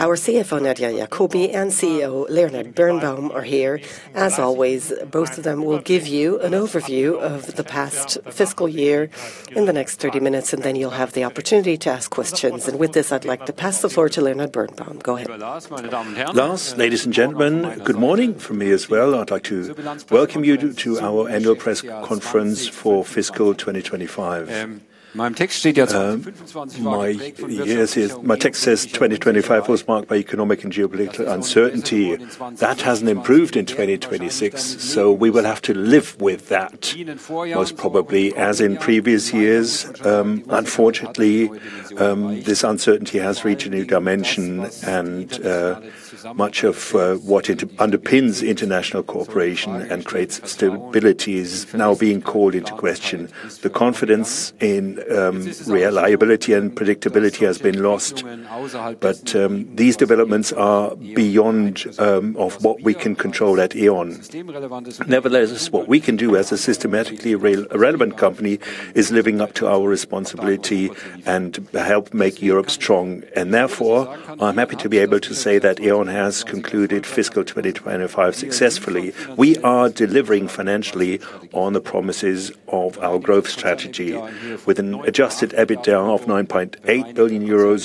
Our CFO, Nadia Jakobi, and CEO, Leonhard Birnbaum, are here. As always, both of them will give you an overview of the past fiscal year in the next 30 minutes, and then you'll have the opportunity to ask questions. With this, I'd like to pass the floor to Leonhard Birnbaum. Go ahead. Lars, ladies and gentlemen, good morning from me as well. I'd like to welcome you to our annual press conference for fiscal 2025. My text says 2025 was marked by economic and geopolitical uncertainty. That hasn't improved in 2026, we will have to live with that, most probably as in previous years. Unfortunately, this uncertainty has reached a new dimension, much of what it underpins international cooperation and creates stability is now being called into question. The confidence in reliability and predictability has been lost. These developments are beyond of what we can control at E.ON. Nevertheless, what we can do as a systematically relevant company is living up to our responsibility and help make Europe strong. Therefore, I'm happy to be able to say that E.ON has concluded fiscal 2025 successfully. We are delivering financially on the promises of our growth strategy. With an Adjusted EBITDA of 9.8 billion euros,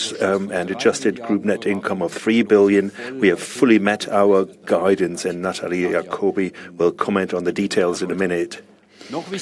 and adjusted Group net income of 3 billion, we have fully met our guidance. Natalie Jacobi will comment on the details in a minute. What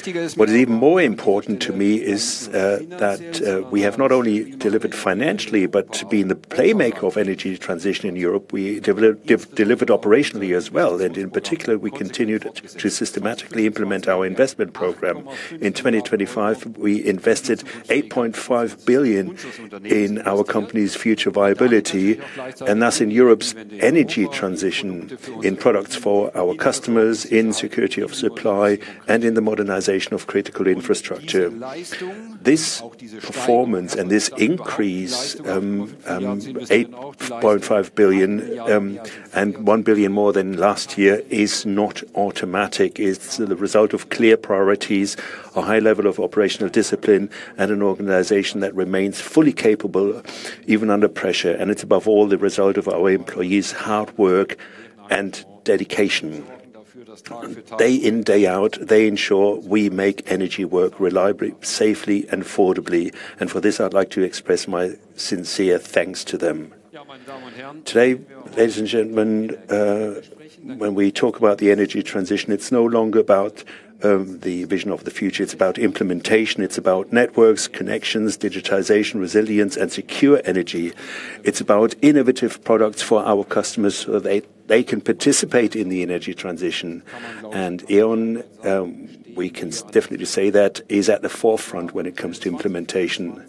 is even more important to me is that we have not only delivered financially, but to be in the playmaker of energy transition in Europe, we delivered operationally as well. In particular, we continued to systematically implement our investment program. In 2025, we invested 8.5 billion in our company's future viability and thus in Europe's energy transition, in products for our customers, in security of supply, and in the modernization of critical infrastructure. This performance and this increase, 8.5 billion, and 1 billion more than last year, is not automatic. It's the result of clear priorities, a high level of operational discipline, and an organization that remains fully capable, even under pressure. It's, above all, the result of our employees' hard work and dedication. Day in, day out, they ensure we make energy work reliably, safely and affordably. For this, I'd like to express my sincere thanks to them. Today, ladies and gentlemen, when we talk about the energy transition, it's no longer about the vision of the future, it's about implementation. It's about networks, connections, digitization, resilience, and secure energy. It's about innovative products for our customers, so they can participate in the energy transition. E.ON, we can definitely say that, is at the forefront when it comes to implementation.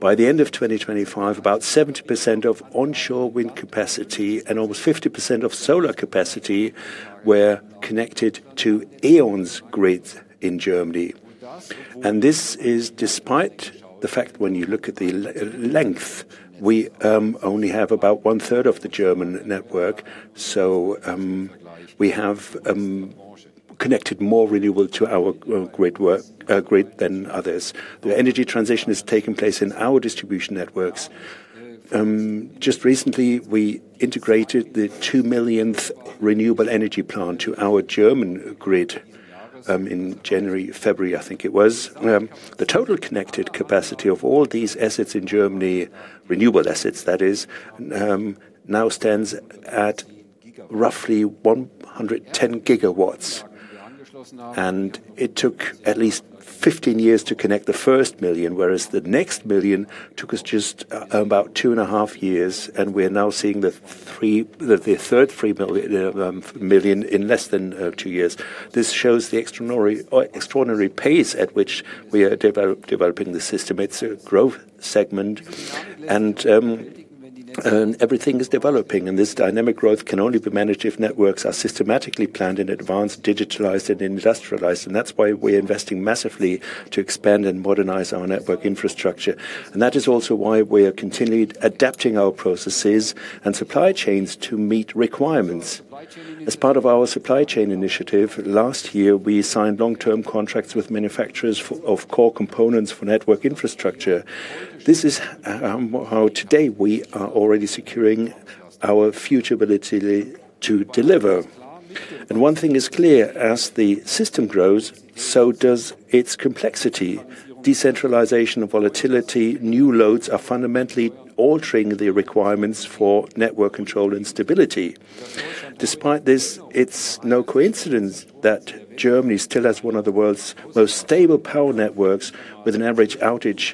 By the end of 2025, about 70% of onshore wind capacity and almost 50% of solar capacity were connected to E.ON's grids in Germany. This is despite the fact, when you look at the length, we only have about one third of the German network. We have connected more renewable to our grid than others. The energy transition is taking place in our distribution networks. Just recently, we integrated the 2 millionth renewable energy plant to our German grid, in January, February, I think it was. The total connected capacity of all these assets in Germany, renewable assets that is, now stands at roughly 110 gigawatts, and it took at least 15 years to connect the 1st million, whereas the next million took us about 2.5 years, and we're now seeing the 3rd million in less than 2 years. This shows the extraordinary pace at which we are developing the system. It's a growth segment, everything is developing, and this dynamic growth can only be managed if networks are systematically planned in advance, digitalized, and industrialized. That's why we're investing massively to expand and modernize our network infrastructure. That is also why we are continued adapting our processes and supply chains to meet requirements. As part of our supply chain initiative, last year, we signed long-term contracts with manufacturers of core components for network infrastructure. This is how today we are already securing our future ability to deliver. One thing is clear, as the system grows, so does its complexity. Decentralization and volatility, new loads are fundamentally altering the requirements for network control and stability. Despite this, it's no coincidence that Germany still has one of the world's most stable power networks, with an average outage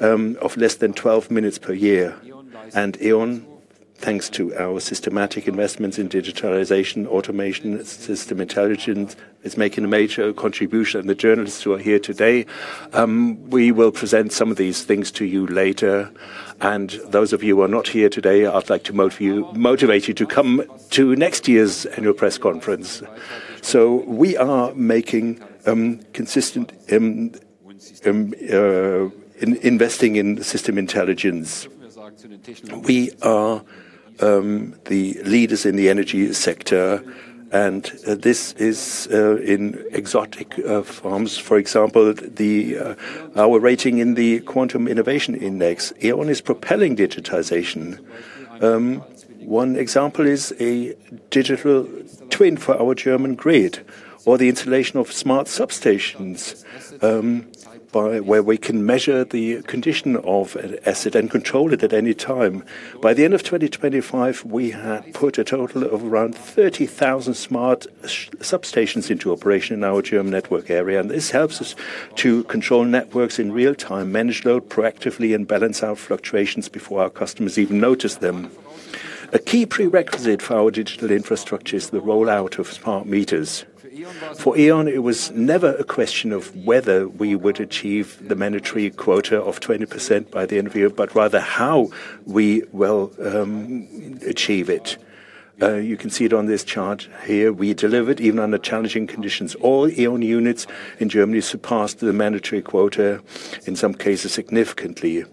of less than 12 minutes per year. E.ON, thanks to our systematic investments in digitalization, automation, system intelligence, is making a major contribution. The journalists who are here today, we will present some of these things to you later. Those of you who are not here today, I'd like to motivate you to come to next year's annual press conference. We are making consistent investing in system intelligence. We are the leaders in the energy sector, and this is in exotic forms. For example, our rating in the Quantum Innovation Index. E.ON is propelling digitization. One example is a digital twin for our German grid, or the installation of smart substations, where we can measure the condition of an asset and control it at any time. By the end of 2025, we have put a total of around 30,000 smart substations into operation in our German network area. This helps us to control networks in real time, manage load proactively, and balance out fluctuations before our customers even notice them. A key prerequisite for our digital infrastructure is the rollout of smart meters. For E.ON, it was never a question of whether we would achieve the mandatory quota of 20% by the end of the year, but rather how we will achieve it. You can see it on this chart here. We delivered, even under challenging conditions. All E.ON units in Germany surpassed the mandatory quota, in some cases, significantly.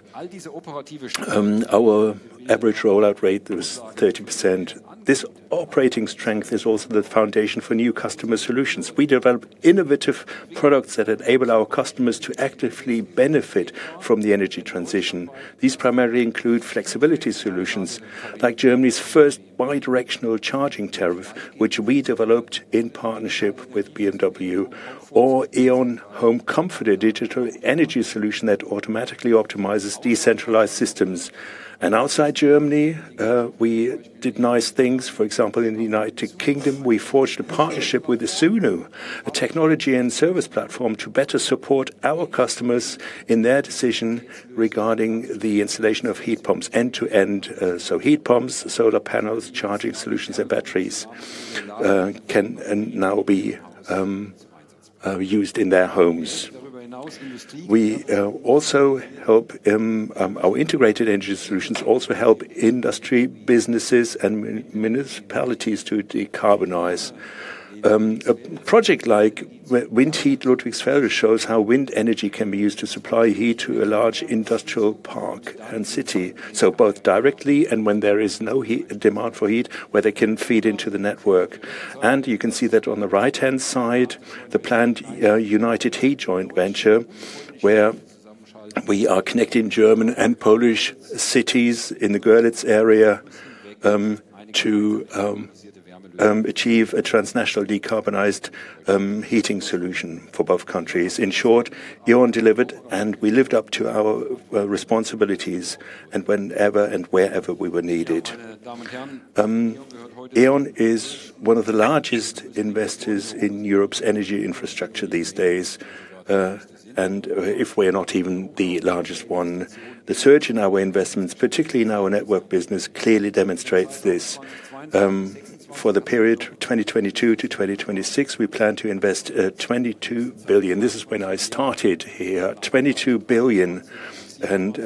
Our average rollout rate is 30%. This operating strength is also the foundation for new customer solutions. We develop innovative products that enable our customers to actively benefit from the energy transition. These primarily include flexibility solutions, like Germany's first bi-directional charging tariff, which we developed in partnership with BMW or E.ON Home Comfort, a digital energy solution that automatically optimizes decentralized systems. Outside Germany, we did nice things. For example, in the United Kingdom, we forged a partnership with Usinso, a technology and service platform, to better support our customers in their decision regarding the installation of heat pumps end-to-end. Heat pumps, solar panels, charging solutions, and batteries can and now be used in their homes. Our integrated energy solutions also help industry, businesses, and municipalities to decarbonize. A project like Windwärme Ludwigsfelde shows how wind energy can be used to supply heat to a large industrial park and city, so both directly and when there is no demand for heat, where they can feed into the network. You can see that on the right-hand side, the planned United Heat joint venture, where we are connecting German and Polish cities in the Görlitz area, to achieve a transnational decarbonized heating solution for both countries. In short, E.ON delivered, and we lived up to our responsibilities and whenever and wherever we were needed. E.ON is one of the largest investors in Europe's energy infrastructure these days, and if we are not even the largest one. The surge in our investments, particularly in our network business, clearly demonstrates this. For the period 2022 to 2026, we plan to invest 22 billion. This is when I started here, 22 billion, and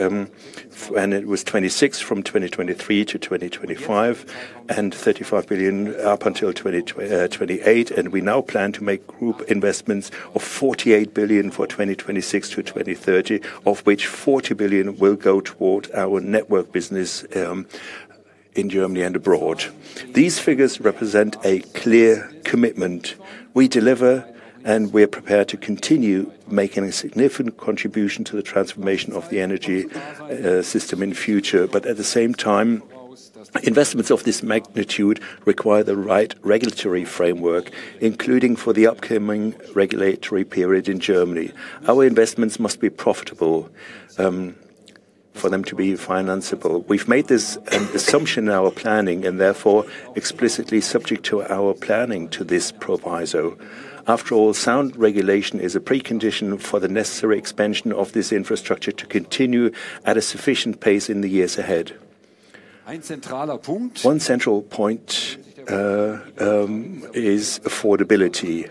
it was 26 billion from 2023 to 2025, and 35 billion up until 2028. We now plan to make group investments of 48 billion for 2026 to 2030, of which 40 billion will go toward our network business in Germany and abroad. These figures represent a clear commitment. We deliver, and we're prepared to continue making a significant contribution to the transformation of the energy system in future. At the same time, investments of this magnitude require the right regulatory framework, including for the upcoming regulatory period in Germany. Our investments must be profitable for them to be financeable. We've made this assumption in our planning and therefore explicitly subject to our planning to this proviso. Sound regulation is a precondition for the necessary expansion of this infrastructure to continue at a sufficient pace in the years ahead. One central point is affordability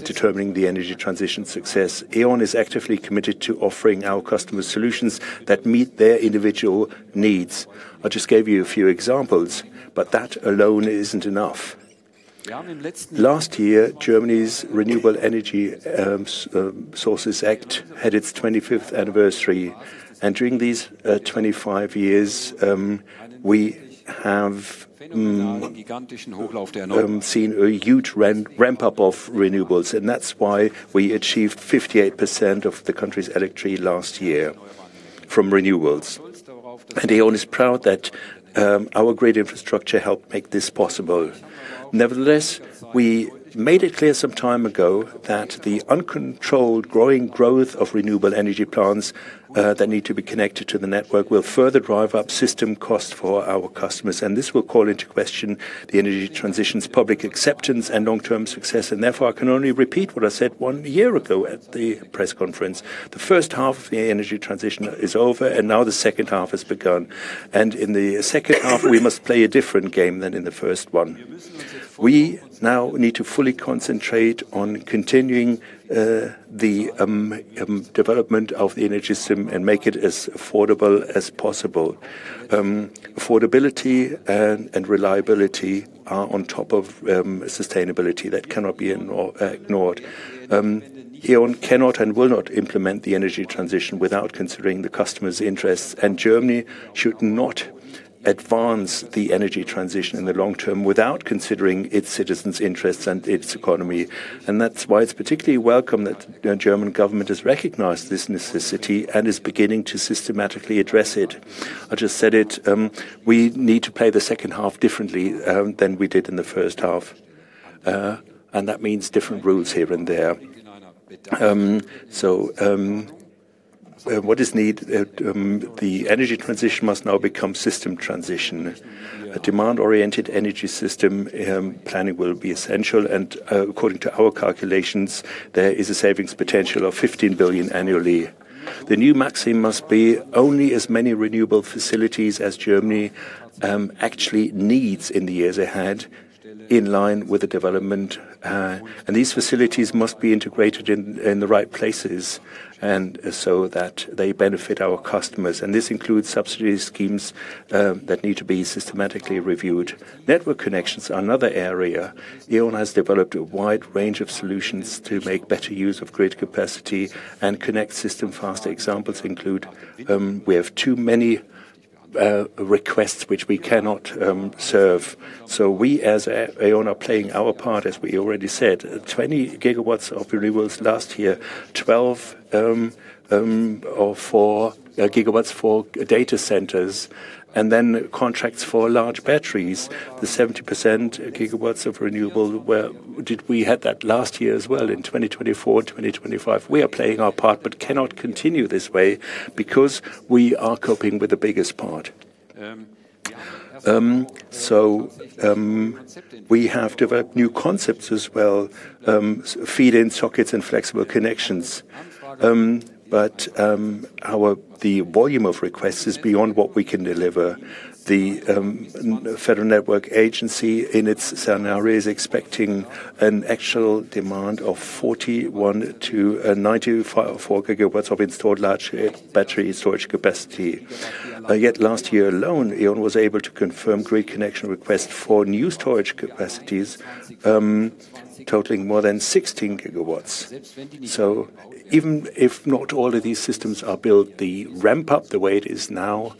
determining the energy transition success. E.ON is actively committed to offering our customers solutions that meet their individual needs. I just gave you a few examples, but that alone isn't enough. Last year, Germany's Renewable Energy Sources Act had its 25th anniversary, and during these 25 years, we have seen a huge ramp up of renewables, and that's why we achieved 58% of the country's electricity last year from renewables. E.ON is proud that our grid infrastructure helped make this possible. Nevertheless, we made it clear some time ago that the uncontrolled growing growth of renewable energy plants that need to be connected to the network, will further drive up system costs for our customers, and this will call into question the energy transition's public acceptance and long-term success. Therefore, I can only repeat what I said one year ago at the press conference. The first half of the energy transition is over, and now the second half has begun. In the second half, we must play a different game than in the first one. We now need to fully concentrate on continuing the development of the energy system and make it as affordable as possible. Affordability and reliability are on top of sustainability. That cannot be ignored. E.ON cannot and will not implement the energy transition without considering the customer's interests, Germany should not advance the energy transition in the long term without considering its citizens' interests and its economy. That's why it's particularly welcome that the German government has recognized this necessity and is beginning to systematically address it. I just said it, we need to play the second half differently than we did in the first half. That means different rules here and there. What is need, the energy transition must now become system transition. A demand-oriented energy system, planning will be essential, according to our calculations, there is a savings potential of 15 billion annually. The new maxim must be only as many renewable facilities as Germany actually needs in the years ahead, in line with the development. These facilities must be integrated in the right places, so that they benefit our customers, this includes subsidy schemes that need to be systematically reviewed. Network connections are another area. E.ON has developed a wide range of solutions to make better use of grid capacity and connect system faster. Examples include, we have too many requests, which we cannot serve. We, as E.ON, are playing our part, as we already said, 20 gigawatts of renewables last year, 12 or 4 gigawatts for data centers, contracts for large batteries. The 70% gigawatts of renewable were. Did we had that last year as well, in 2024, 2025? We are playing our part but cannot continue this way because we are coping with the biggest part. We have developed new concepts as well, feed-in sockets and flexible connections. The volume of requests is beyond what we can deliver. Federal Network Agency, in its scenario, is expecting an actual demand of 41 to 94 gigawatts of installed large battery storage capacity. Yet last year alone, E.ON was able to confirm grid connection request for new storage capacities, totaling more than 16 gigawatts. Even if not all of these systems are built, the ramp-up, the way it is now,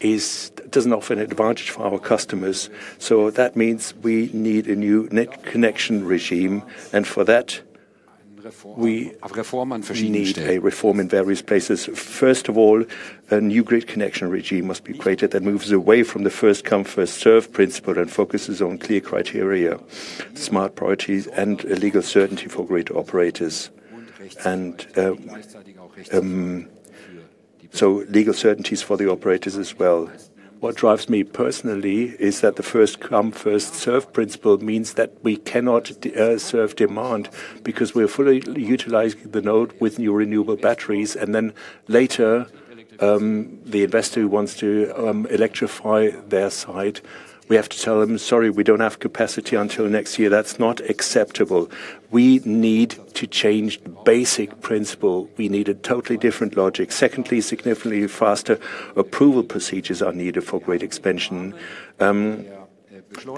doesn't offer an advantage for our customers. That means we need a new net connection regime, and for that, we need a reform in various places. First of all, a new grid connection regime must be created that moves away from the first come, first served principle and focuses on clear criteria, smart priorities, and a legal certainty for grid operators, and so legal certainties for the operators as well. What drives me personally is that the first come, first served principle means that we cannot serve demand because we're fully utilizing the node with new renewable batteries, and then later, the investor who wants to electrify their site, we have to tell them: "Sorry, we don't have capacity until next year." That's not acceptable. We need to change the basic principle. We need a totally different logic. Secondly, significantly faster approval procedures are needed for grid expansion.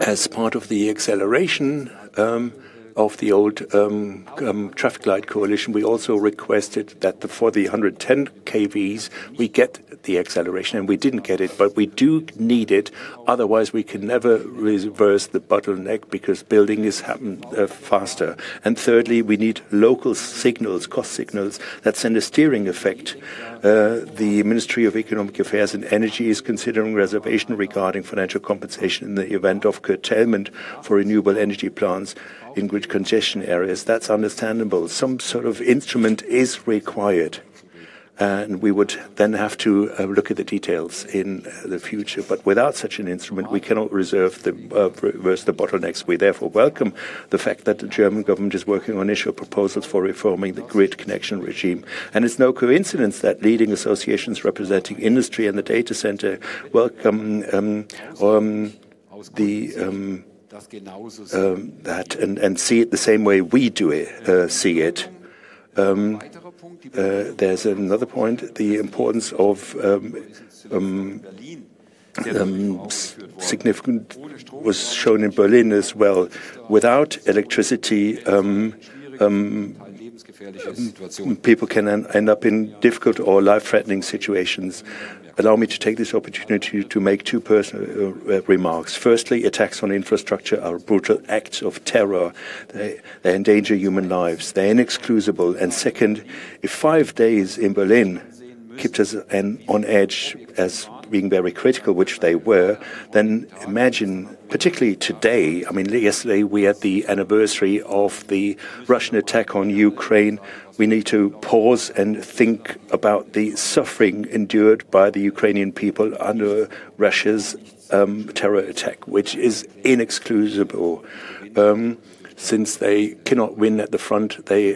As part of the acceleration of the old traffic light coalition, we also requested that for the 110 kV, we get the acceleration, and we didn't get it, but we do need it. Otherwise, we can never reverse the bottleneck because building is happening faster. Thirdly, we need local signals, cost signals, that send a steering effect. The Ministry of Economic Affairs and Energy is considering reservation regarding financial compensation in the event of curtailment for renewable energy plants in grid congestion areas. That's understandable. Some sort of instrument is required, and we would then have to look at the details in the future. Without such an instrument, we cannot reverse the bottlenecks. We therefore welcome the fact that the German government is working on initial proposals for reforming the grid connection regime. It's no coincidence that leading associations representing industry and the data center welcome that and see it the same way we do. There's another point. The importance of significant was shown in Berlin as well. Without electricity, people can end up in difficult or life-threatening situations. Allow me to take this opportunity to make 2 personal remarks. Firstly, attacks on infrastructure are brutal acts of terror. They endanger human lives. They're inexcusable. Second, if 5 days in Berlin kept us on edge as being very critical, which they were, then imagine, particularly today, I mean, yesterday, we had the anniversary of the Russian attack on Ukraine. We need to pause and think about the suffering endured by the Ukrainian people under Russia's terror attack, which is inexcusable. Since they cannot win at the front, they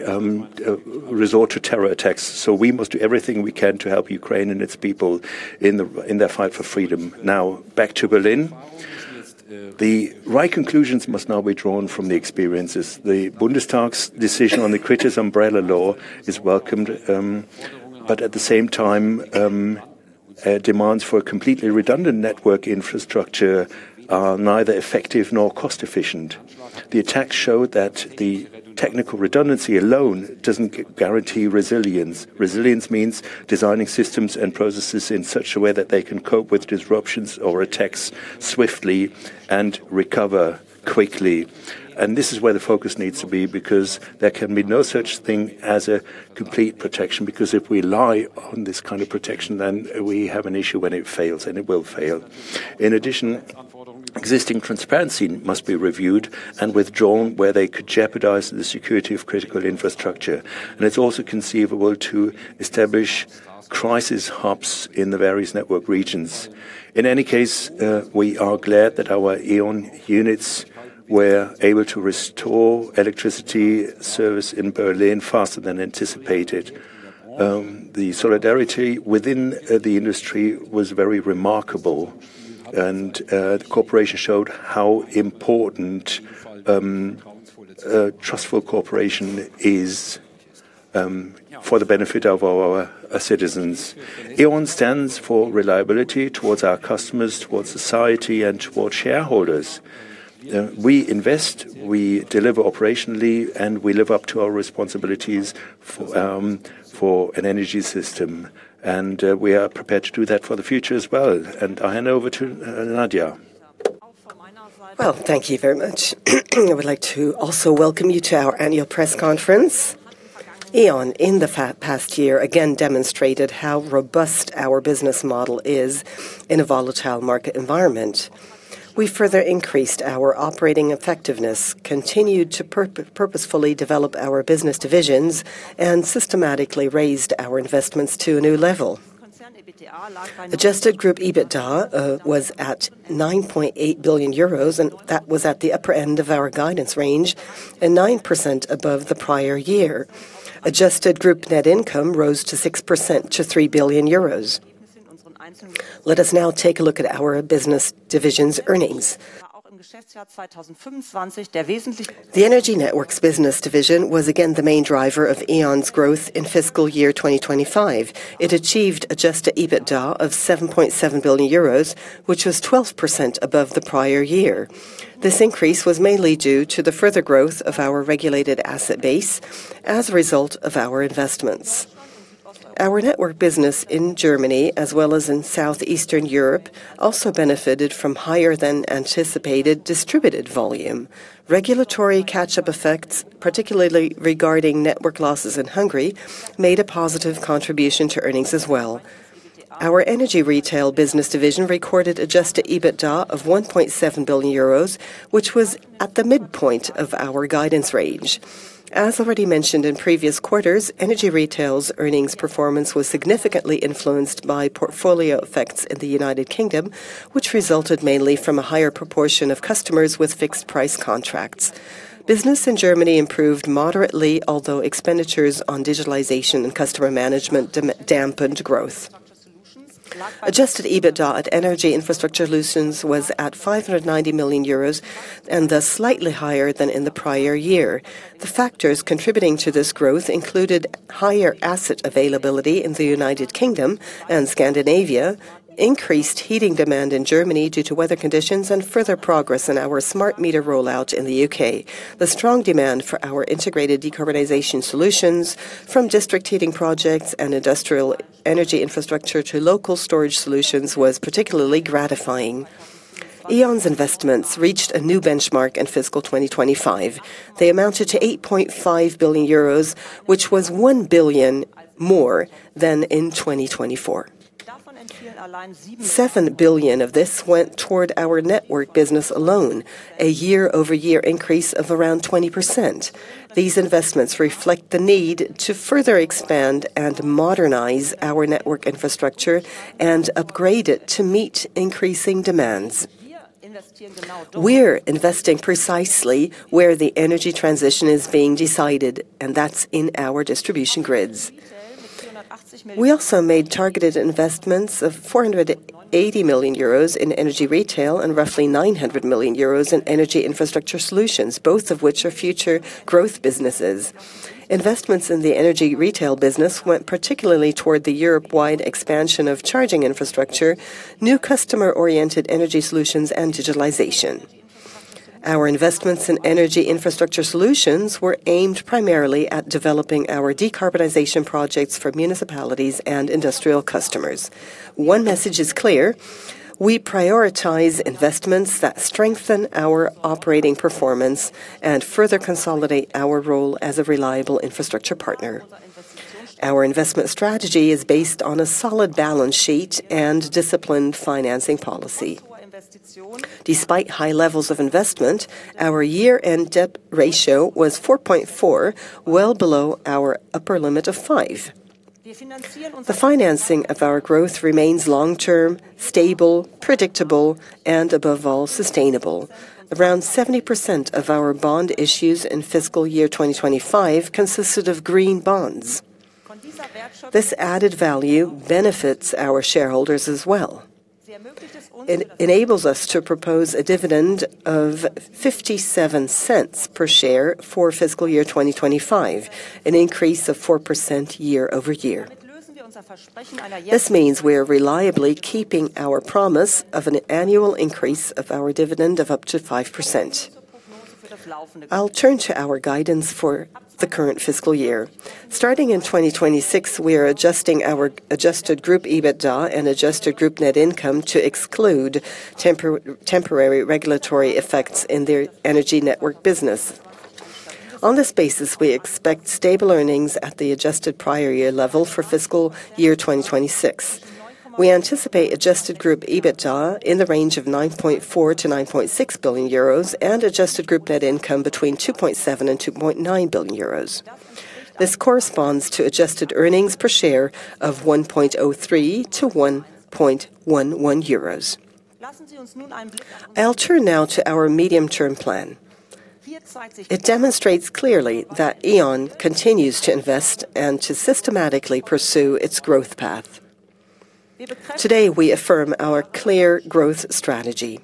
resort to terror attacks. We must do everything we can to help Ukraine and its people in their fight for freedom. Back to Berlin. The right conclusions must now be drawn from the experiences. The Bundestag's decision on the crisis umbrella law is welcomed, at the same time, demands for a completely redundant network infrastructure are neither effective nor cost-efficient. The attack showed that the technical redundancy alone doesn't guarantee resilience. Resilience means designing systems and processes in such a way that they can cope with disruptions or attacks swiftly and recover quickly. This is where the focus needs to be, because there can be no such thing as a complete protection, because if we rely on this kind of protection, then we have an issue when it fails, and it will fail. In addition, existing transparency must be reviewed and withdrawn where they could jeopardize the security of critical infrastructure. It's also conceivable to establish crisis hubs in the various network regions. In any case, we are glad that our E.ON units were able to restore electricity service in Berlin faster than anticipated. The solidarity within the industry was very remarkable, the cooperation showed how important trustful cooperation is for the benefit of our citizens. E.ON stands for reliability towards our customers, towards society, and toward shareholders. We invest, we deliver operationally, and we live up to our responsibilities for an energy system, and we are prepared to do that for the future as well. I hand over to Nadia. Well, thank you very much. I would like to also welcome you to our annual press conference. E.ON, in the past year, again demonstrated how robust our business model is in a volatile market environment. We further increased our operating effectiveness, continued to purposefully develop our business divisions, and systematically raised our investments to a new level. Adjusted Group EBITDA was at 9.8 billion euros, and that was at the upper end of our guidance range, and 9% above the prior year. Adjusted Group net income rose to 6% to 3 billion euros. Let us now take a look at our business division's earnings. The Energy Networks business division was again the main driver of E.ON's growth in fiscal year 2025. It achieved Adjusted EBITDA of 7.7 billion euros, which was 12% above the prior year. This increase was mainly due to the further growth of our regulated asset base as a result of our investments. Our network business in Germany, as well as in Southeastern Europe, also benefited from higher than anticipated distributed volume. Regulatory catch-up effects, particularly regarding network losses in Hungary, made a positive contribution to earnings as well. Our Energy Retail business division recorded Adjusted EBITDA of 1.7 billion euros, which was at the midpoint of our guidance range. As already mentioned in previous quarters, Energy Retail's earnings performance was significantly influenced by portfolio effects in the United Kingdom, which resulted mainly from a higher proportion of customers with fixed-price contracts. Business in Germany improved moderately, although expenditures on digitalization and customer management dampened growth. Adjusted EBITDA at Energy Infrastructure Solutions was at 590 million euros, and thus slightly higher than in the prior year. The factors contributing to this growth included higher asset availability in the United Kingdom and Scandinavia, increased heating demand in Germany due to weather conditions, and further progress in our smart meter rollout in the U.K. The strong demand for our integrated decarbonization solutions, from district heating projects and industrial energy infrastructure to local storage solutions, was particularly gratifying. E.ON's investments reached a new benchmark in fiscal 2025. They amounted to 8.5 billion euros, which was 1 billion more than in 2024. 7 billion of this went toward our network business alone, a year-over-year increase of around 20%. These investments reflect the need to further expand and modernize our network infrastructure and upgrade it to meet increasing demands. We're investing precisely where the energy transition is being decided, and that's in our distribution grids. We also made targeted investments of 480 million euros in Energy Retail and roughly 900 million euros in Energy Infrastructure Solutions, both of which are future growth businesses. Investments in the Energy Retail business went particularly toward the Europe-wide expansion of charging infrastructure, new customer-oriented energy solutions, and digitalization. Our investments in Energy Infrastructure Solutions were aimed primarily at developing our decarbonization projects for municipalities and industrial customers. One message is clear: we prioritize investments that strengthen our operating performance and further consolidate our role as a reliable infrastructure partner. Our investment strategy is based on a solid balance sheet and disciplined financing policy. Despite high levels of investment, our year-end debt ratio was 4.4, well below our upper limit of 5. The financing of our growth remains long-term, stable, predictable, and, above all, sustainable. Around 70% of our bond issues in fiscal year 2025 consisted of green bonds. This added value benefits our shareholders as well. It enables us to propose a dividend of 0.57 per share for fiscal year 2025, an increase of 4% year-over-year. This means we are reliably keeping our promise of an annual increase of our dividend of up to 5%. I'll turn to our guidance for the current fiscal year. Starting in 2026, we are adjusting our adjusted Group EBITDA and adjusted Group net income to exclude temporary regulatory effects in the energy network business. On this basis, we expect stable earnings at the adjusted prior year level for fiscal year 2026. We anticipate adjusted Group EBITDA in the range of 9.4 billion-9.6 billion euros, and adjusted Group net income between 2.7 billion and 2.9 billion euros. This corresponds to adjusted earnings per share of 1.03-1.11 euros. I'll turn now to our medium-term plan. It demonstrates clearly that E.ON continues to invest and to systematically pursue its growth path. Today, we affirm our clear growth strategy.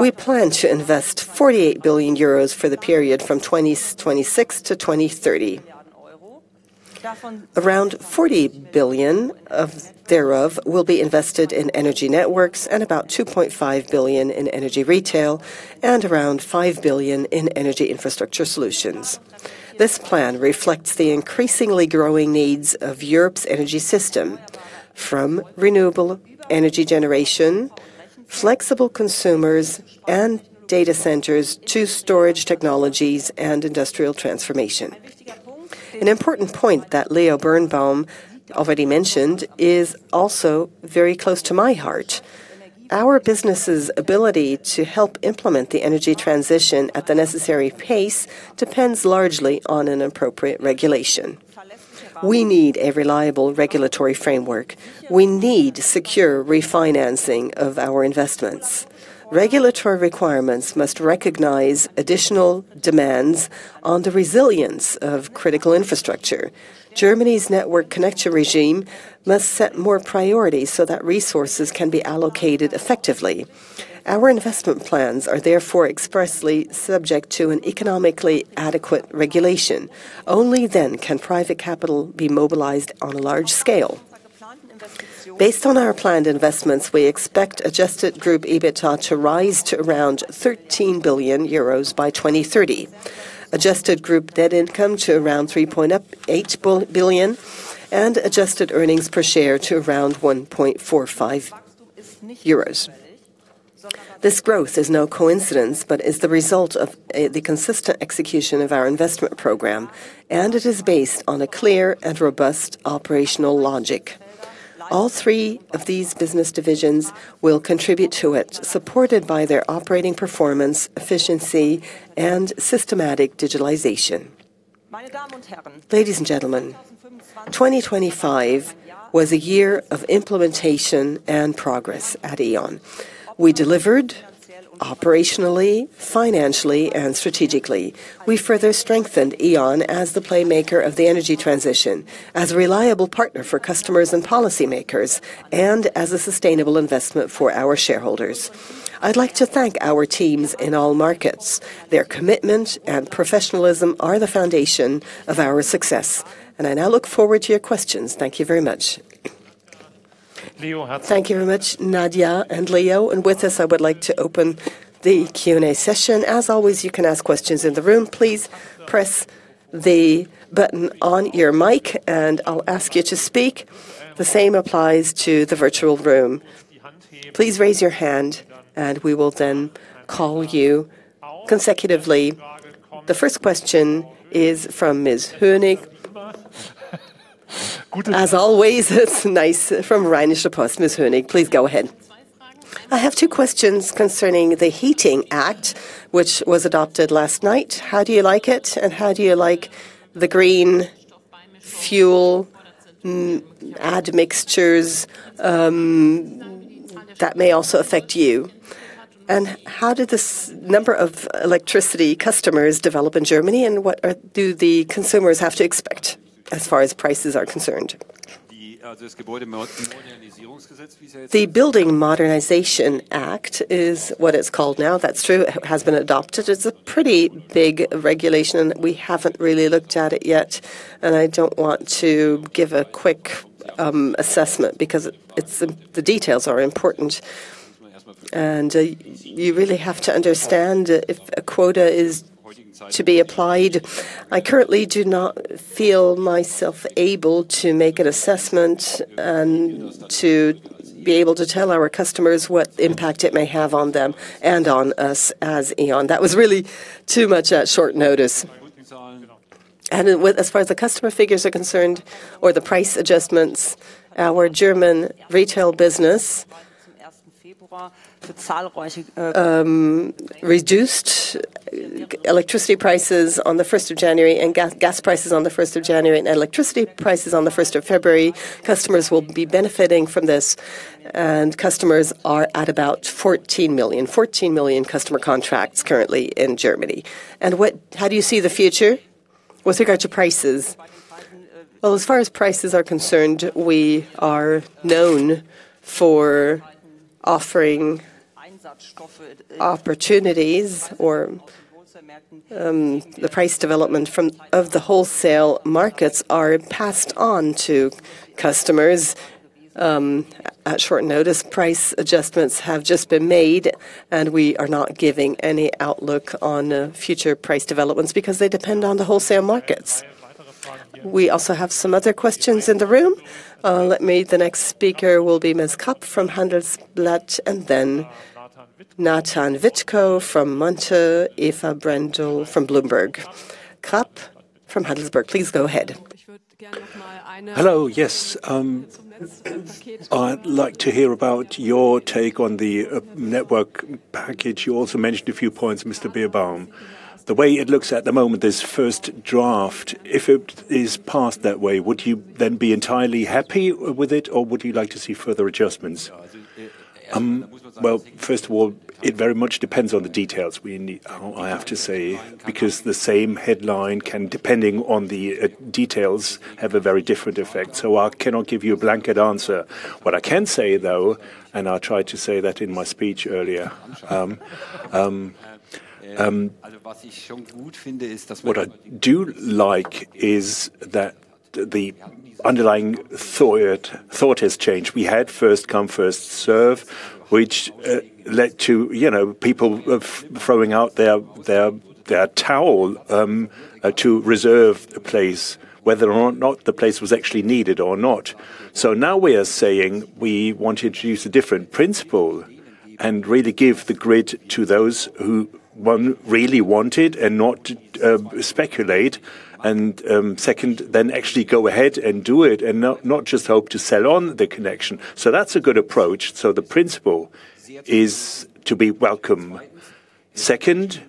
We plan to invest 48 billion euros for the period from 2026 to 2030. Around 40 billion thereof will be invested in Energy Networks, and about 2.5 billion in Energy Retail, and around 5 billion in Energy Infrastructure Solutions. This plan reflects the increasingly growing needs of Europe's energy system, from renewable energy generation, flexible consumers and data centers, to storage technologies and industrial transformation. An important point that Leo Birnbaum already mentioned is also very close to my heart. Our business's ability to help implement the energy transition at the necessary pace depends largely on an appropriate regulation. We need a reliable regulatory framework. We need secure refinancing of our investments. Regulatory requirements must recognize additional demands on the resilience of critical infrastructure. Germany's network connection regime must set more priorities, so that resources can be allocated effectively. Our investment plans are therefore expressly subject to an economically adequate regulation. Only then can private capital be mobilized on a large scale. Based on our planned investments, we expect adjusted Group EBITDA to rise to around 13 billion euros by 2030. Adjusted Group net income to around 3.8 billion, and adjusted earnings per share to around 1.45 euros. This growth is no coincidence, but is the result of the consistent execution of our investment program, and it is based on a clear and robust operational logic. All three of these business divisions will contribute to it, supported by their operating performance, efficiency, and systematic digitalization. Ladies and gentlemen, 2025 was a year of implementation and progress at E.ON. We delivered operationally, financially, and strategically. We further strengthened E.ON as the playmaker of the energy transition, as a reliable partner for customers and policymakers, and as a sustainable investment for our shareholders. I'd like to thank our teams in all markets. Their commitment and professionalism are the foundation of our success, and I now look forward to your questions. Thank you very much. Thank you very much, Nadia and Leo, and with this, I would like to open the Q&A session. As always, you can ask questions in the room. Please press the button on your mic, and I'll ask you to speak. The same applies to the virtual room. Please raise your hand, and we will then call you consecutively. The first question is from Antje Höning. As always, it's nice. From Rheinische Post, Antje Höning, please go ahead. I have two questions concerning the Heating Act, which was adopted last night. How do you like it, and how do you like the green fuel add mixtures that may also affect you? How did this number of electricity customers develop in Germany, and do the consumers have to expect as far as prices are concerned? The Building Modernization Act is what it's called now. That's true, it has been adopted. It's a pretty big regulation. We haven't really looked at it yet. I don't want to give a quick assessment because it's the details are important. You really have to understand if a quota is to be applied. I currently do not feel myself able to make an assessment and to be able to tell our customers what impact it may have on them and on us as E.ON. That was really too much at short notice. With as far as the customer figures are concerned or the price adjustments, our German retail business reduced electricity prices on the 1st of January and gas prices on the 1st of January, and electricity prices on the 1st of February. Customers will be benefiting from this. Customers are at about 14 million customer contracts currently in Germany. How do you see the future with regard to prices? Well, as far as prices are concerned, we are known for offering opportunities or the price development from, of the wholesale markets are passed on to customers at short notice. Price adjustments have just been made, and we are not giving any outlook on future price developments because they depend on the wholesale markets. We also have some other questions in the room. The next speaker will be Ms. Kapp from Handelsblatt, and then Nathan Witko from Montel, Ewa Krukowska from Bloomberg. Kapp from Handelsblatt, please go ahead. Hello, yes, I'd like to hear about your take on the network package. You also mentioned a few points, Mr. Birnbaum. The way it looks at the moment, this first draft, if it is passed that way, would you then be entirely happy with it, or would you like to see further adjustments? Well, first of all, it very much depends on the details we need, I have to say, because the same headline can, depending on the details, have a very different effect. I cannot give you a blanket answer. What I can say, though, and I tried to say that in my speech earlier, what I do like is that the underlying thought has changed. We had first come, first served, which led to, you know, people of throwing out their towel, to reserve a place, whether or not the place was actually needed or not. Now we are saying we want to introduce a different principle and really give the grid to those who, one, really want it and not speculate, and second, then actually go ahead and do it, and not just hope to sell on the connection. That's a good approach. The principle is to be welcome. Second,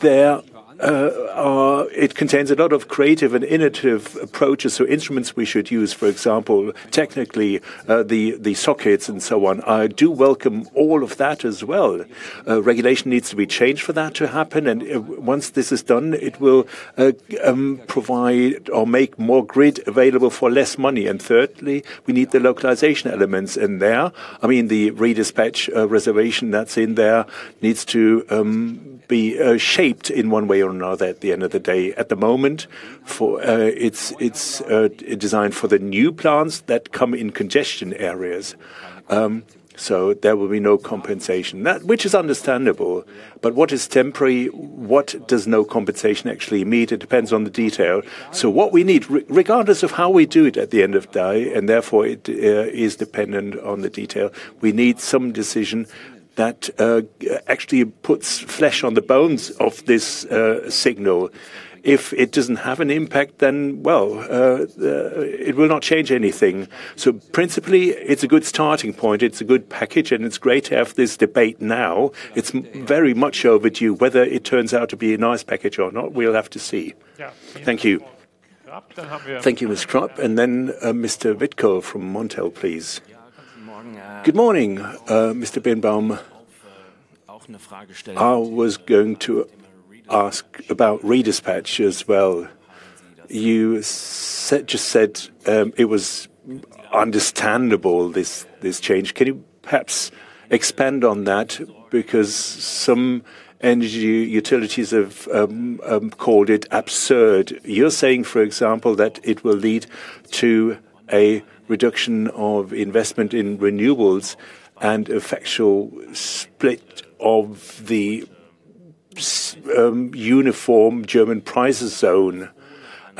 there, it contains a lot of creative and innovative approaches, so instruments we should use, for example, technically, the sockets and so on. I do welcome all of that as well. Regulation needs to be changed for that to happen, and once this is done, it will provide or make more grid available for less money. Thirdly, we need the localization elements in there. I mean, the redispatch reservation that's in there needs to be shaped in one way or another at the end of the day. At the moment, for it's designed for the new plants that come in congestion areas. There will be no compensation. Which is understandable, what is temporary, what does no compensation actually mean? It depends on the detail. What we need, regardless of how we do it at the end of day, and therefore it is dependent on the detail, we need some decision that actually puts flesh on the bones of this signal. If it doesn't have an impact, then, well, it will not change anything. Principally, it's a good starting point, it's a good package, and it's great to have this debate now. It's very much overdue. Whether it turns out to be a nice package or not, we'll have to see. Yeah. Thank you. Thank you, Ms. Kapp. Then Mr. Witko from Montel, please. Good morning, Mr. Birnbaum. I was going to ask about redispatch as well. You just said it was understandable, this change. Can you perhaps expand on that? Some energy utilities have called it absurd. You're saying, for example, that it will lead to a reduction of investment in renewables and a factual split of the uniform German prices zone,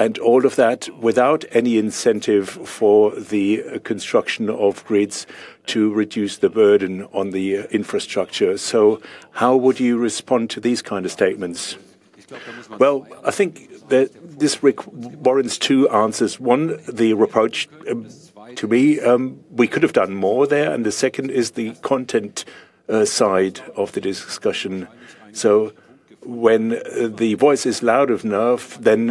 and all of that without any incentive for the construction of grids to reduce the burden on the infrastructure. How would you respond to these kind of statements? Well, I think that this warrants two answers. One, the reproach to me, we could have done more there, and the second is the content side of the discussion. When the voice is loud enough, then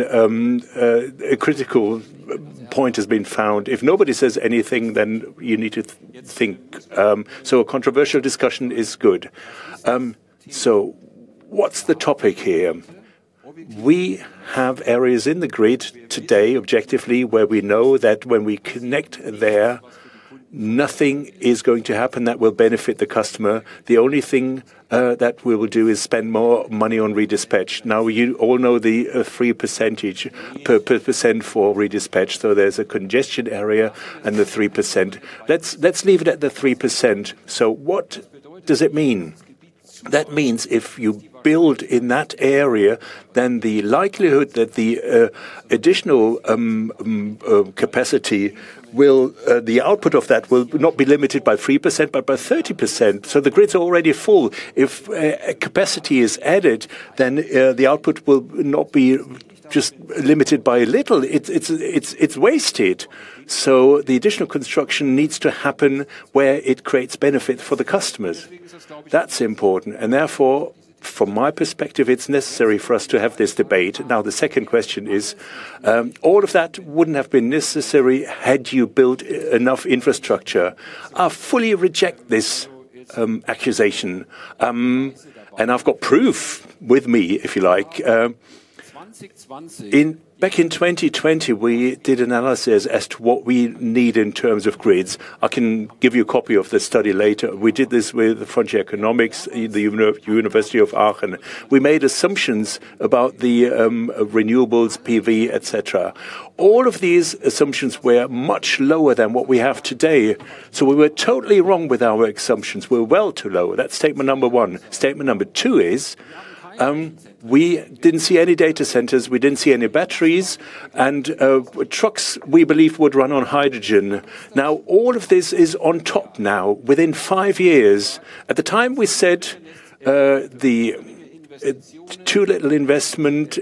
a critical point has been found. If nobody says anything, then you need to think. A controversial discussion is good. What's the topic here? We have areas in the grid today, objectively, where we know that when we connect there, nothing is going to happen that will benefit the customer. The only thing that we will do is spend more money on redispatch. Now, you all know the 3% for redispatch, so there's a congestion area and the 3%. Let's leave it at the 3%. What does it mean? If you build in that area, the likelihood that the additional capacity will, the output of that will not be limited by 3%, but by 30%. The grid's already full. If capacity is added, the output will not be just limited by a little, it's wasted. The additional construction needs to happen where it creates benefit for the customers. That's important, from my perspective, it's necessary for us to have this debate. The second question is, all of that wouldn't have been necessary had you built enough infrastructure. I fully reject this. Accusation. I've got proof with me, if you like. Back in 2020, we did analysis as to what we need in terms of grids. I can give you a copy of this study later. We did this with the French economics, the University of Aachen. We made assumptions about the renewables, PV, et cetera. All of these assumptions were much lower than what we have today, so we were totally wrong with our assumptions, were well too low. That's statement number one. Statement number two is, we didn't see any data centers, we didn't see any batteries, and trucks, we believe, would run on hydrogen. Now, all of this is on top now, within 5 years. At the time, we said, the too little investment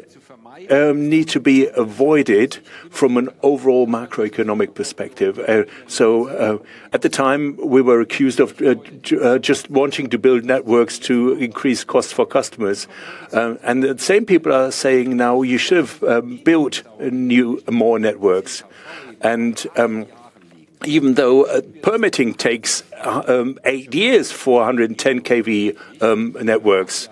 need to be avoided from an overall macroeconomic perspective. At the time, we were accused of just wanting to build networks to increase costs for customers. The same people are saying now, "You should have built a new, more networks." Even though permitting takes 8 years for 110 kV networks,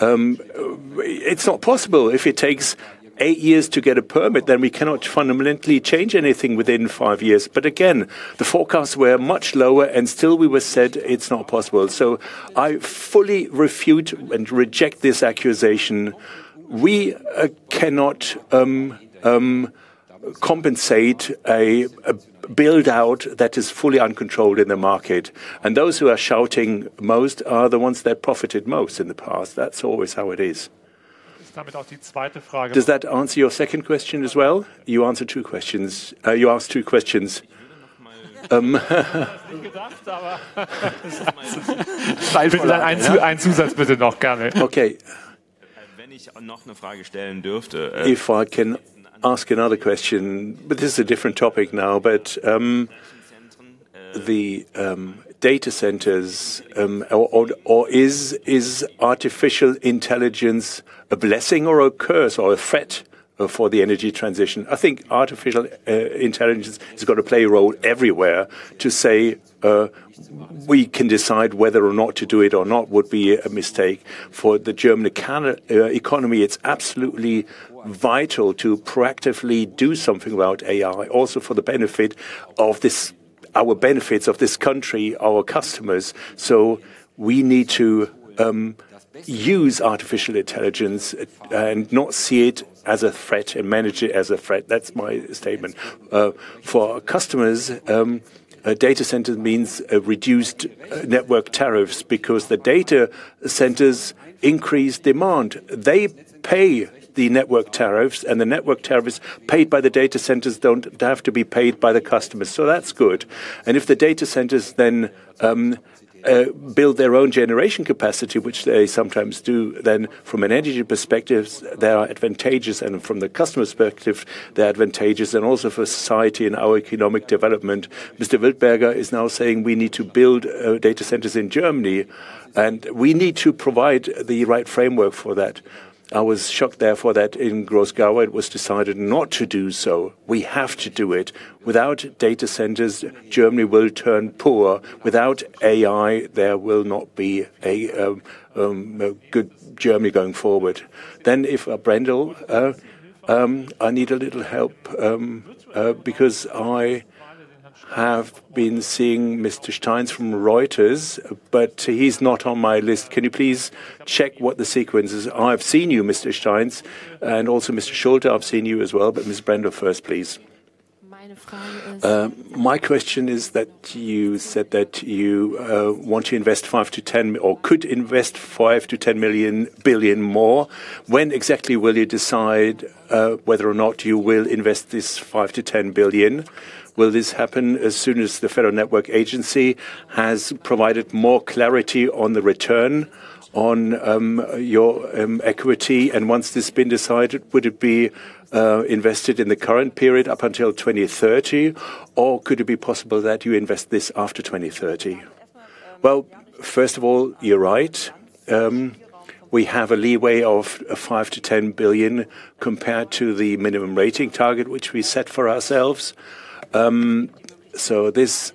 it's not possible. If it takes 8 years to get a permit, we cannot fundamentally change anything within 5 years. Again, the forecasts were much lower, still we were said it's not possible. I fully refute and reject this accusation. We cannot compensate a build-out that is fully uncontrolled in the market, those who are shouting most are the ones that profited most in the past. That's always how it is. Does that answer your second question as well? You asked 2 questions. Okay. If I can ask another question, this is a different topic now. The data centers, or is artificial intelligence a blessing or a curse or a threat for the energy transition? I think artificial intelligence is going to play a role everywhere. To say we can decide whether or not to do it or not would be a mistake. For the German economy, it's absolutely vital to proactively do something about AI, also for the benefit of our benefits of this country, our customers. We need to use artificial intelligence and not see it as a threat and manage it as a threat. That's my statement. For customers, a data center means a reduced network tariffs because the data centers increase demand. They pay the network tariffs. The network tariffs paid by the data centers don't have to be paid by the customers. That's good. If the data centers build their own generation capacity, which they sometimes do, from an energy perspectives, they are advantageous, from the customer's perspective, they're advantageous, and also for society and our economic development. Mr. Wildberger is now saying we need to build data centers in Germany, we need to provide the right framework for that. I was shocked, therefore, that in Groß Gievitz, it was decided not to do so. We have to do it. Without data centers, Germany will turn poor. Without AI, there will not be a good Germany going forward. If Brendel, I need a little help, because I have been seeing Mr. Steitz from Reuters. He's not on my list. Can you please check what the sequence is? I've seen you, Mr. Steitz, and also Mr. Schulte, I've seen you as well. Ms. Brendel first, please. My question is... My question is that you said that you want to invest 5-10 million billion more. When exactly will you decide whether or not you will invest this 5-10 billion? Will this happen as soon as the Federal Network Agency has provided more clarity on the return on your equity? Once this been decided, would it be invested in the current period up until 2030, or could it be possible that you invest this after 2030? First of all, you're right. We have a leeway of 5-10 billion compared to the minimum rating target, which we set for ourselves. This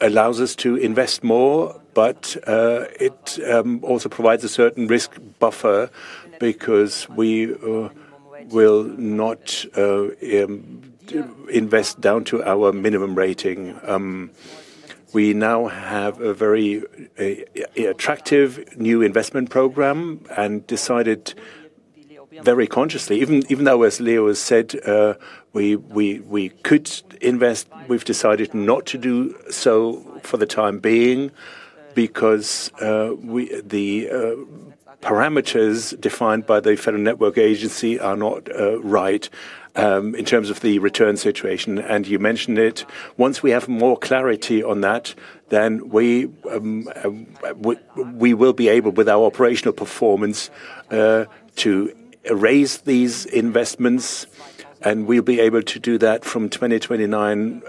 allows us to invest more, but it also provides a certain risk buffer because we will not invest down to our minimum rating. We now have a very attractive new investment program and decided very consciously, even though, as Leo has said, we could invest, we've decided not to do so for the time being, because we, the parameters defined by the Federal Network Agency are not right in terms of the return situation, and you mentioned it. Once we have more clarity on that, then we will be able, with our operational performance, to raise these investments, and we'll be able to do that from 2029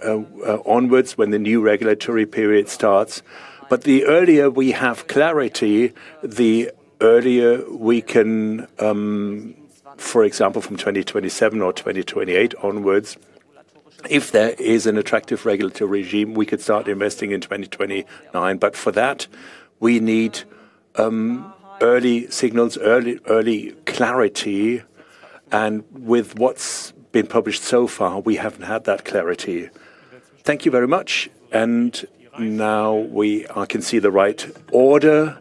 onwards, when the new regulatory period starts. The earlier we have clarity, the earlier we can, for example, from 2027 or 2028 onwards. ...if there is an attractive regulatory regime, we could start investing in 2029. For that, we need early signals, early clarity, and with what's been published so far, we haven't had that clarity. Thank you very much. Now I can see the right order.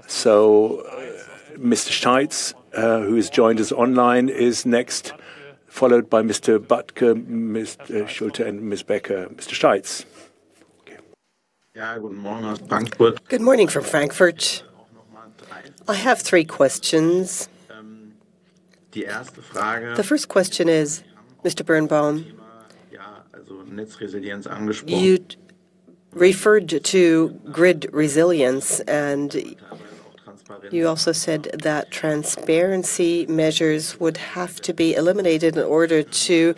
Christoph Steitz, who has joined us online, is next, followed by Mr. Batke, Mr. Schulte, and Ms. Becker. Mr. Steitz? Good morning from Frankfurt. Good morning from Frankfurt. I have three questions. The first question is, Mr. Birnbaum, you referred to grid resilience, and you also said that transparency measures would have to be eliminated in order to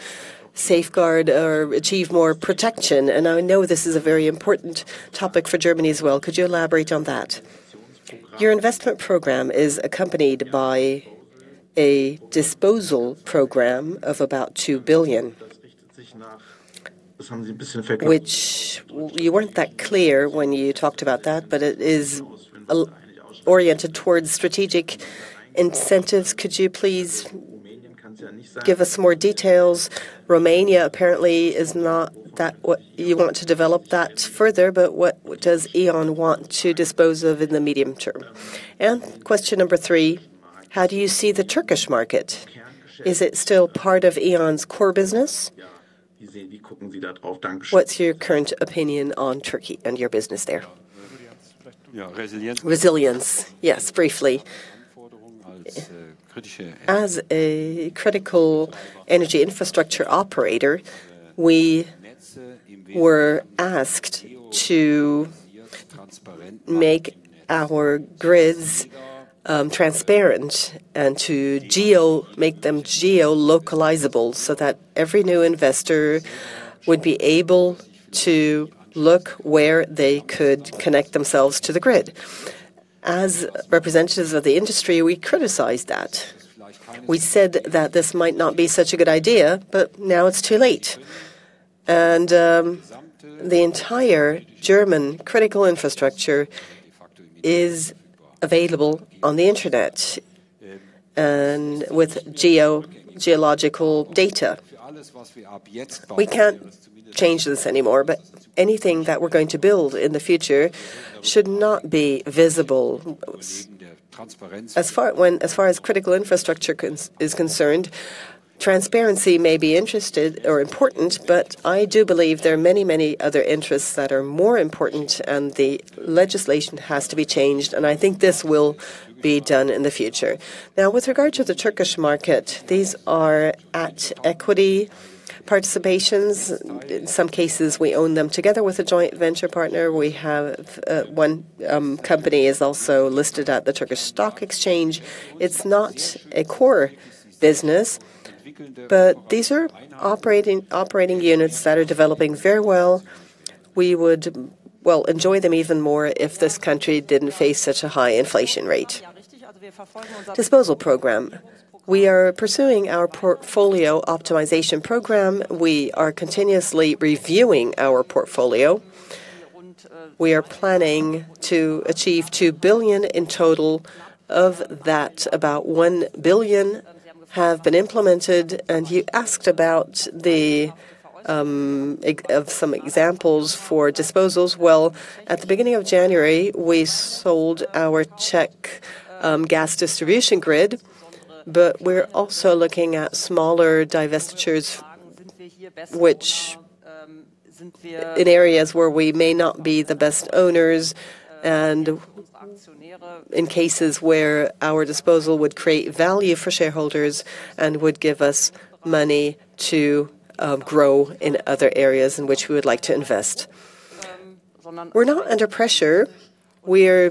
safeguard or achieve more protection, and I know this is a very important topic for Germany as well. Could you elaborate on that? Your investment program is accompanied by a disposal program of about 2 billion, which you weren't that clear when you talked about that. It is oriented towards strategic incentives. Could you please give us more details? Romania, apparently, is not that. You want to develop that further, what does E.ON want to dispose of in the medium term? Question number 3: How do you see the Turkish market? Is it still part of E.ON's core business? What's your current opinion on Turkey and your business there? Resilience. Briefly. As a critical energy infrastructure operator, we were asked to make our grids transparent and to make them geo-localizable so that every new investor would be able to look where they could connect themselves to the grid. As representatives of the industry, we criticized that. We said that this might not be such a good idea, but now it's too late. The entire German critical infrastructure is available on the Internet and with geological data. We can't change this anymore, but anything that we're going to build in the future should not be visible. As far as critical infrastructure is concerned, transparency may be interested or important, but I do believe there are many, many other interests that are more important. The legislation has to be changed, I think this will be done in the future. Now, with regard to the Turkish market, these are at equity participations. In some cases, we own them together with a joint venture partner. We have one company is also listed at the Turkish Stock Exchange. It's not a core business. These are operating units that are developing very well. We would, well, enjoy them even more if this country didn't face such a high inflation rate. Disposal program. We are pursuing our portfolio optimization program. We are continuously reviewing our portfolio. We are planning to achieve 2 billion in total. Of that, about 1 billion have been implemented. You asked about some examples for disposals. Well, at the beginning of January, we sold our Czech gas distribution grid. We're also looking at smaller divestitures, which in areas where we may not be the best owners and in cases where our disposal would create value for shareholders and would give us money to grow in other areas in which we would like to invest. We're not under pressure. We're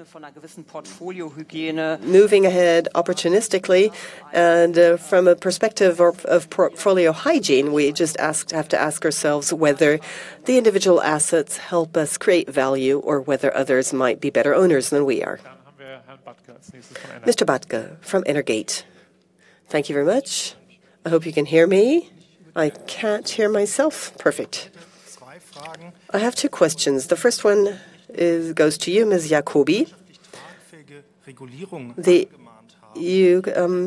moving ahead opportunistically, and from a perspective of portfolio hygiene, we just ask, have to ask ourselves whether the individual assets help us create value or whether others might be better owners than we are. Mr. Batke from Energate. Thank you very much. I hope you can hear me. I can't hear myself. Perfect. I have two questions. The first one is, goes to you, Ms. Jakobi. You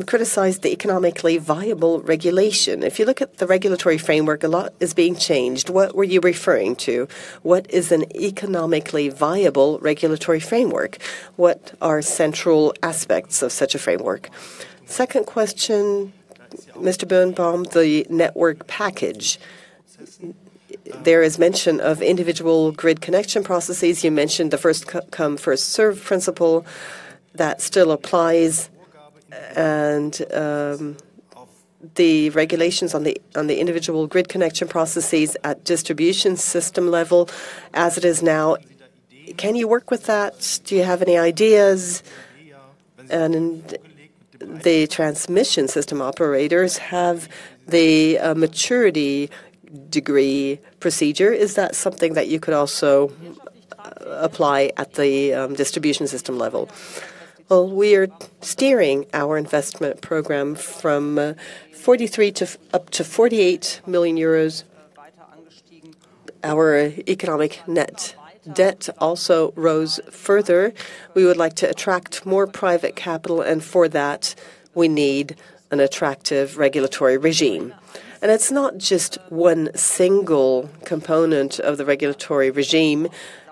criticized the economically viable regulation. If you look at the regulatory framework, a lot is being changed. What were you referring to? What is an economically viable regulatory framework? What are central aspects of such a framework? Second question, Mr. Birnbaum, the network package. There is mention of individual grid connection processes. You mentioned the first come, first served principle. That still applies, the regulations on the individual grid connection processes at distribution system level as it is now, can you work with that? Do you have any ideas? The Transmission System Operators have the maturity level procedure. Is that something that you could also apply at the distribution system level? Well, we are steering our investment program from 43 up to 48 million euros. Our economic net debt also rose further. We would like to attract more private capital, for that, we need an attractive regulatory regime. It's not just one single component of the regulatory regime.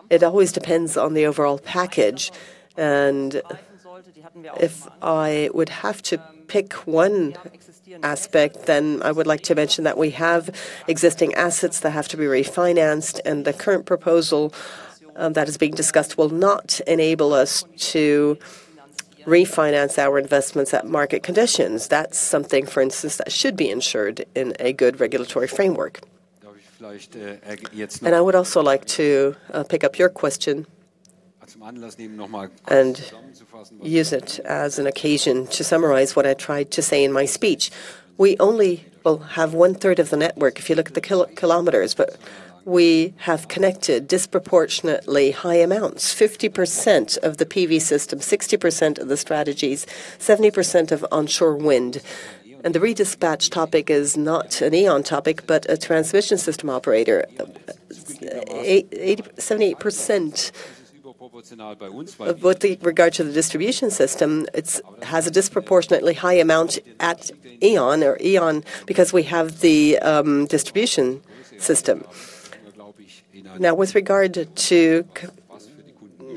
It always depends on the overall package. If I would have to pick one aspect, then I would like to mention that we have existing assets that have to be refinanced. The current proposal that is being discussed will not enable us to refinance our investments at market conditions. That's something, for instance, that should be ensured in a good regulatory framework. I would also like to pick up your question and use it as an occasion to summarize what I tried to say in my speech. We only will have one-third of the network if you look at the kilometers, but we have connected disproportionately high amounts, 50% of the PV system, 60% of the strategies, 70% of onshore wind. The redispatch topic is not an E.ON topic, but a transmission system operator. 8, 80, 78%, with regard to the distribution system, it's has a disproportionately high amount at E.ON or E.ON because we have the distribution system. With regard to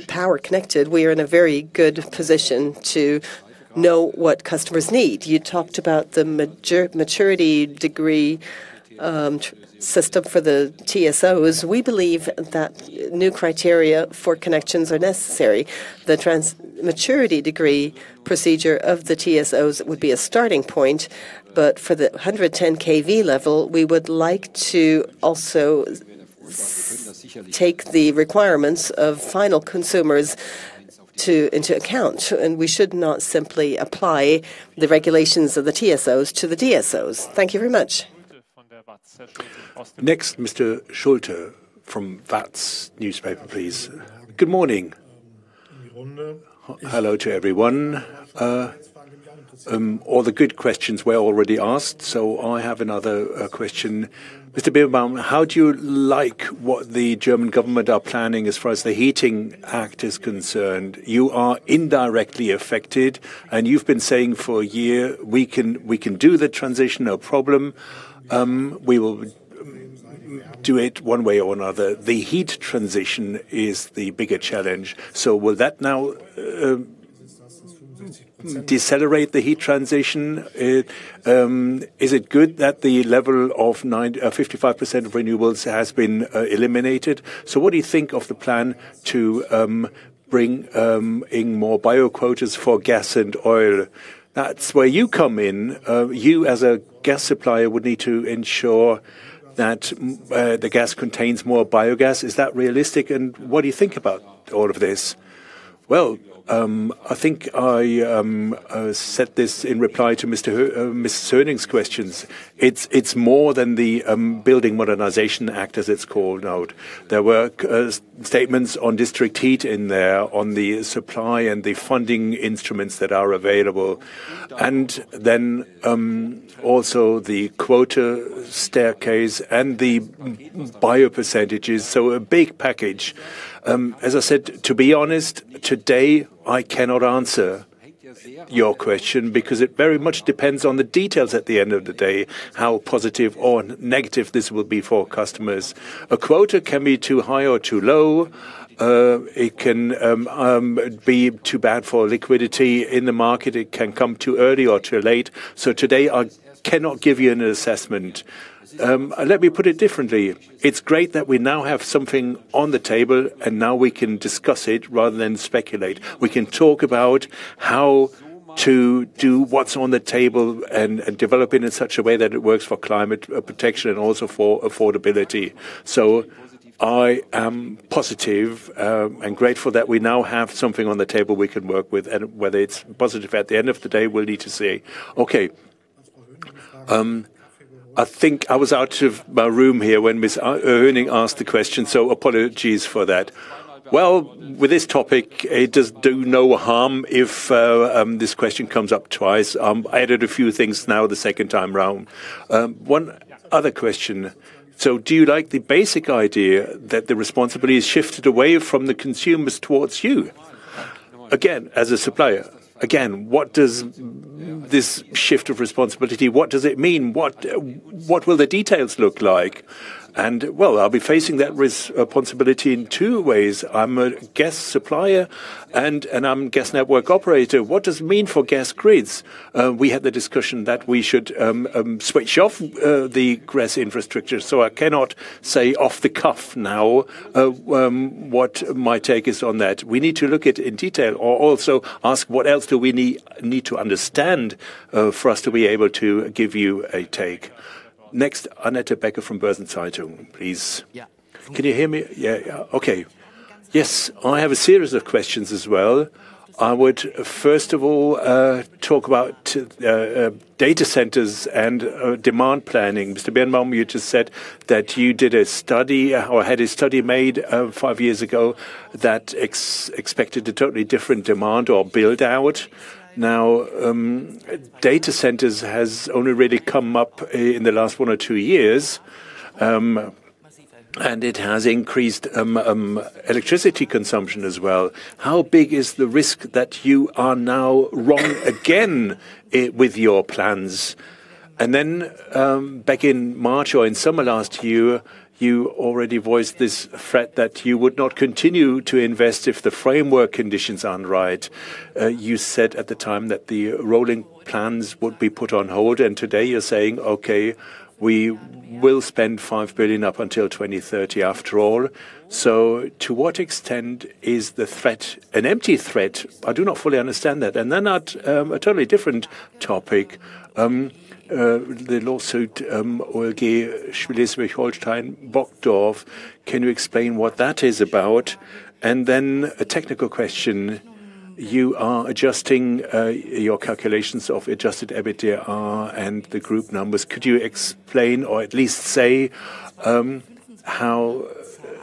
power connected, we are in a very good position to know what customers need. You talked about the maturity degree system for the TSOs. We believe that new criteria for connections are necessary. Maturity degree procedure of the TSOs would be a starting point, but for the 110 kV level, we would like to also take the requirements of final consumers into account, and we should not simply apply the regulations of the TSOs to the DSOs. Thank you very much. Mr. Schulte from WAZ Newspaper, please. Good morning. Hello to everyone. All the good questions were already asked, so I have another question. Mr. Birnbaum, how do you like what the German government are planning as far as the Building Energy Act is concerned? You are indirectly affected, and you've been saying for a year, "We can do the transition, no problem. We will do it one way or another." The heat transition is the bigger challenge. So will that now decelerate the heat transition? Is it good that the level of 55% of renewables has been eliminated? So what do you think of the plan to bring in more bio quotas for gas and oil? That's where you come in. You, as a gas supplier, would need to ensure that the gas contains more biogas. Is that realistic? What do you think about all of this? I think I said this in reply to Ms. Söhning's questions. It's more than the Building Modernization Act, as it's called out. There were statements on district heat in there, on the supply and the funding instruments that are available, also the quota staircase and the bio percentages. A big package. As I said, to be honest, today, I cannot answer your question because it very much depends on the details at the end of the day, how positive or negative this will be for customers. A quota can be too high or too low. It can be too bad for liquidity in the market. It can come too early or too late. Today, I cannot give you an assessment. Let me put it differently. It's great that we now have something on the table. Now we can discuss it rather than speculate. We can talk about how to do what's on the table and develop it in such a way that it works for climate protection and also for affordability. I am positive and grateful that we now have something on the table we can work with. Whether it's positive, at the end of the day, we'll need to see. Okay. I think I was out of my room here when Ms. Söhning asked the question, so apologies for that. Well, with this topic, it does do no harm if this question comes up twice. I added a few things now the second time around. One other question: Do you like the basic idea that the responsibility is shifted away from the consumers towards you? Again, as a supplier, what does this shift of responsibility, what does it mean? What will the details look like? Well, I'll be facing that responsibility in two ways. I'm a gas supplier and I'm gas network operator. What does it mean for gas grids? We had the discussion that we should switch off the gas infrastructure, I cannot say off the cuff now what my take is on that. We need to look at in detail or also ask what else do we need to understand for us to be able to give you a take. Annette Becker from Börsen-Zeitung, please. Can you hear me? Yeah, yeah. Okay. Yes, I have a series of questions as well. I would, first of all, talk about data centers and demand planning. Mr. Birnbaum, you just said that you did a study or had a study made 5 years ago that expected a totally different demand or build-out. Now, data centers has only really come up in the last 1 or 2 years, and it has increased electricity consumption as well. How big is the risk that you are now wrong again with your plans? Back in March or in summer last year, you already voiced this threat that you would not continue to invest if the framework conditions aren't right. You said at the time that the rolling plans would be put on hold, today you're saying, "Okay, we will spend 5 billion up until 2030 after all." To what extent is the threat an empty threat? I do not fully understand that. Then at a totally different topic, the lawsuit, OLG Schleswig-Holstein Brokdorf, can you explain what that is about? Then a technical question: you are adjusting your calculations of Adjusted EBITDA and the group numbers. Could you explain, or at least say, how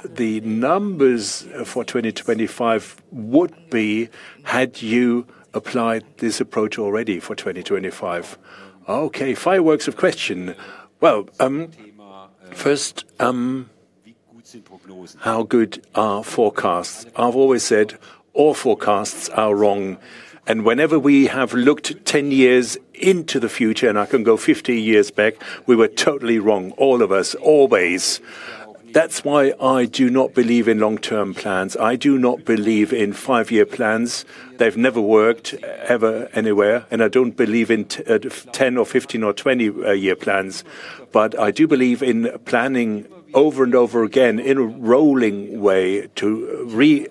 the numbers for 2025 would be had you applied this approach already for 2025? Okay, fireworks of question. Well, first, how good are forecasts? I've always said all forecasts are wrong, and whenever we have looked 10 years into the future, and I can go 50 years back, we were totally wrong, all of us, always. That's why I do not believe in long-term plans. I do not believe in 5-year plans. They've never worked, ever, anywhere, and I don't believe in 10 or 15 or 20 year plans. I do believe in planning over and over again in a rolling way to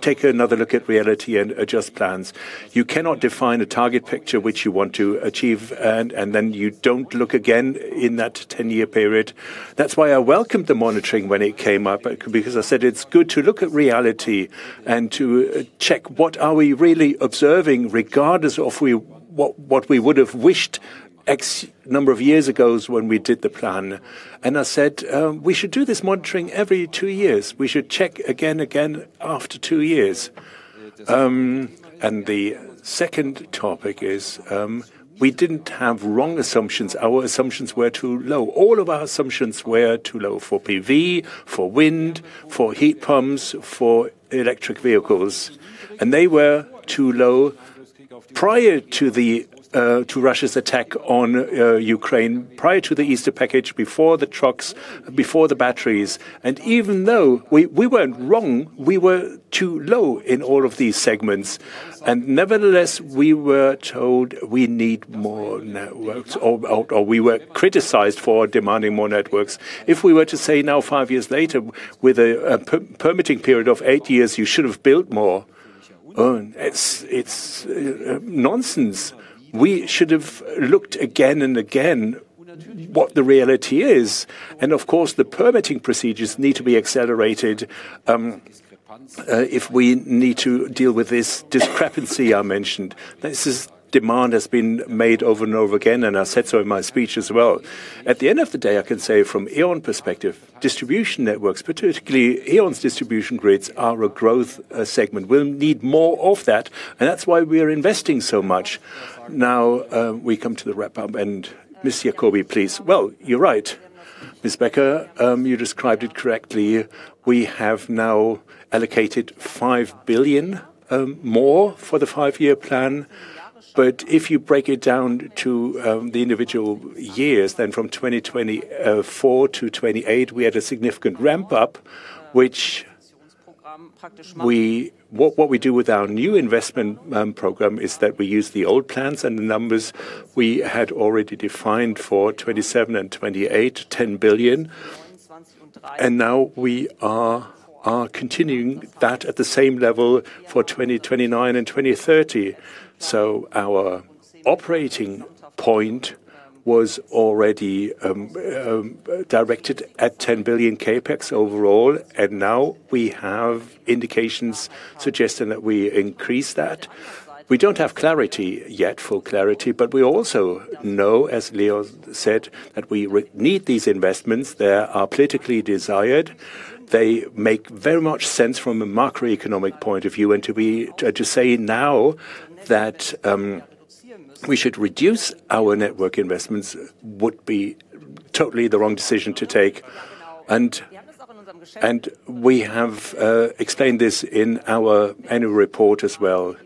take another look at reality and adjust plans. You cannot define a target picture which you want to achieve, and then you don't look again in that 10-year period. That's why I welcomed the monitoring when it came up, because I said it's good to look at reality and to check what are we really observing, regardless of what we would have wished X number of years ago when we did the plan. I said, we should do this monitoring every 2 years. We should check again after 2 years. The second topic is, we didn't have wrong assumptions. Our assumptions were too low. All of our assumptions were too low for PV, for wind, for heat pumps, for electric vehicles, and they were too low prior to Russia's attack on Ukraine, prior to the Easter package, before the trucks, before the batteries. Even though we weren't wrong, we were too low in all of these segments. Nevertheless, we were told we need more networks or we were criticized for demanding more networks. If we were to say now, 5 years later, with a permitting period of 8 years, you should have built more, it's nonsense. We should have looked again and again what the reality is. Of course, the permitting procedures need to be accelerated if we need to deal with this discrepancy I mentioned. This demand has been made over and over again, and I said so in my speech as well. At the end of the day, I can say from E.ON perspective, distribution networks, particularly E.ON's distribution grids, are a growth segment. We'll need more of that, and that's why we are investing so much. Now, we come to the wrap-up, and Ms. Jacobi, please. You're right, Ms. Becker, you described it correctly. We have now allocated 5 billion more for the 5-year plan. If you break it down to the individual years, then from 2024-2028, we had a significant ramp-up. What we do with our new investment program is that we use the old plans and the numbers we had already defined for 2027 and 2028, 10 billion. Now we are continuing that at the same level for 2029 and 2030. Our operating point was already directed at 10 billion CapEx overall, and now we have indications suggesting that we increase that. We don't have clarity yet, full clarity, but we also know, as Leo said, that we need these investments. They are politically desired. They make very much sense from a macroeconomic point of view. To say now that we should reduce our network investments would be totally the wrong decision to take. We have explained this in our annual report as well.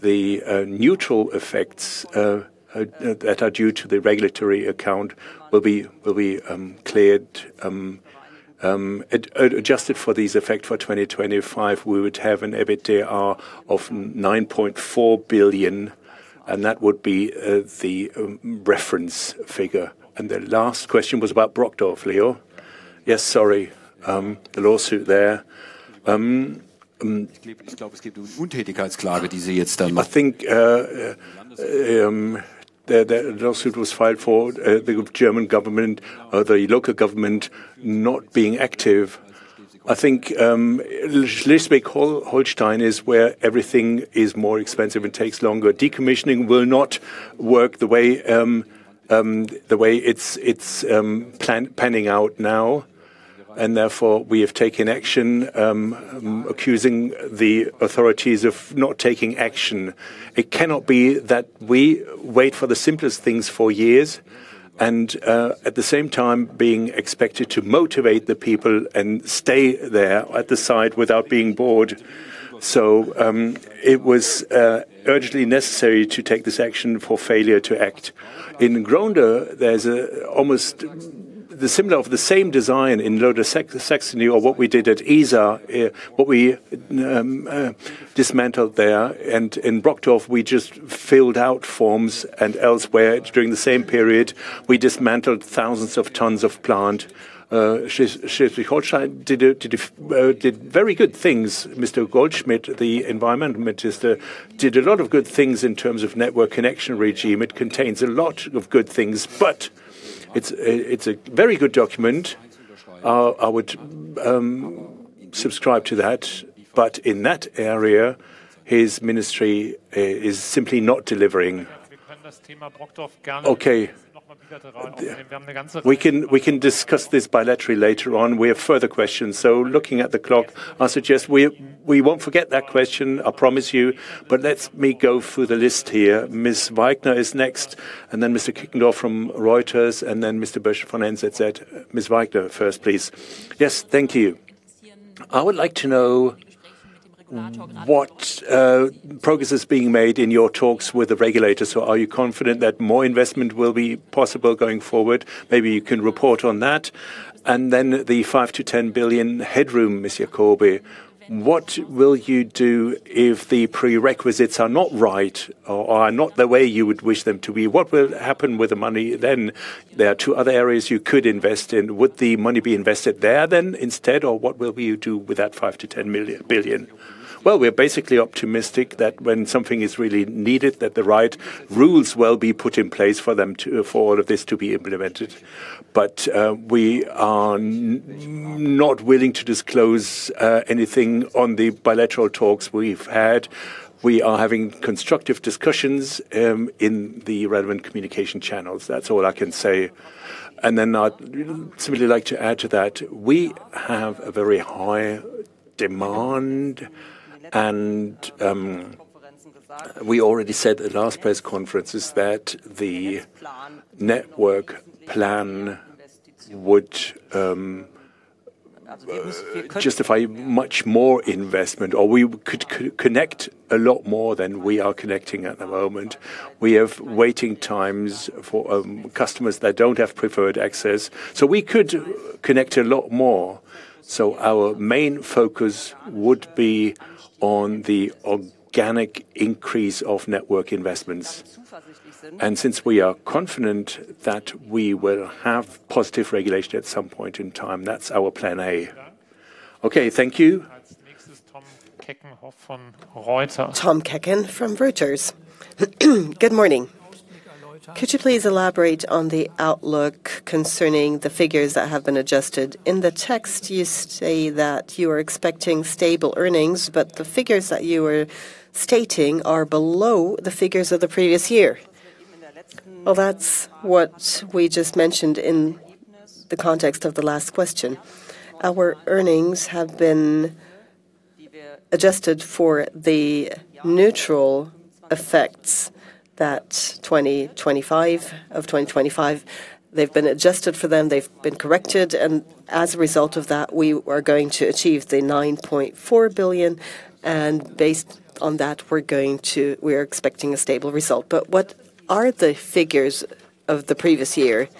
The neutral effects that are due to the regulatory account will be cleared. Adjusted for these effect for 2025, we would have an EBITDA of 9.4 billion. That would be the reference figure. The last question was about Brokdorf, Leo? Yes, sorry. The lawsuit there. I think the lawsuit was filed for the German government, or the local government not being active. I think Schleswig-Holstein is where everything is more expensive and takes longer. Decommissioning will not work the way it's panning out now, therefore, we have taken action accusing the authorities of not taking action. It cannot be that we wait for the simplest things for years at the same time, being expected to motivate the people and stay there at the site without being bored. It was urgently necessary to take this action for failure to act. In Grohnde, there's a almost the similar of the same design in Lower Saxony, or what we did at Isar, what we dismantled there, and in Brokdorf, we just filled out forms and elsewhere, during the same period, we dismantled thousands of tons of plant. Schleswig-Holstein did very good things. Mr. Goldschmidt, the environment minister, did a lot of good things in terms of network connection regime. It contains a lot of good things, but it's a very good document. I would subscribe to that, but in that area, his ministry is simply not delivering. Okay. We can discuss this bilaterally later on. We have further questions. Looking at the clock, I suggest we won't forget that question, I promise you, but let me go through the list here. Ms. Weikert is next, and then Mr. Käckenhoff from Reuters, and then Mr. Rasch from NZZ. Ms. Weikert first, please. Yes, thank you. I would like to know what progress is being made in your talks with the regulators. Are you confident that more investment will be possible going forward? Maybe you can report on that. The 5 billion-10 billion headroom, Mr. Corbey, what will you do if the prerequisites are not right or are not the way you would wish them to be? What will happen with the money then? There are two other areas you could invest in. Would the money be invested there then instead, or what will you do with that 5 billion-10 billion? Well, we're basically optimistic that when something is really needed, that the right rules will be put in place for them to, for all of this to be implemented. We are not willing to disclose anything on the bilateral talks we've had. We are having constructive discussions in the relevant communication channels. That's all I can say. I'd simply like to add to that, we have a very high demand and, we already said at last press conference is that the network plan would justify much more investment, or we could connect a lot more than we are connecting at the moment. We have waiting times for customers that don't have preferred access, so we could connect a lot more. Our main focus would be on the organic increase of network investments. Since we are confident that we will have positive regulation at some point in time, that's our plan A. Okay. Thank you. Tom Käckenhoff from Reuters. Good morning. Could you please elaborate on the outlook concerning the figures that have been adjusted? In the text, you say that you are expecting stable earnings, the figures that you were stating are below the figures of the previous year. Well, that's what we just mentioned in the context of the last question. Our earnings have been adjusted for the neutral effects of 2025. They've been adjusted for them, they've been corrected, and as a result of that, we are going to achieve 9.4 billion, and based on that, we are expecting a stable result. What are the figures of the previous year?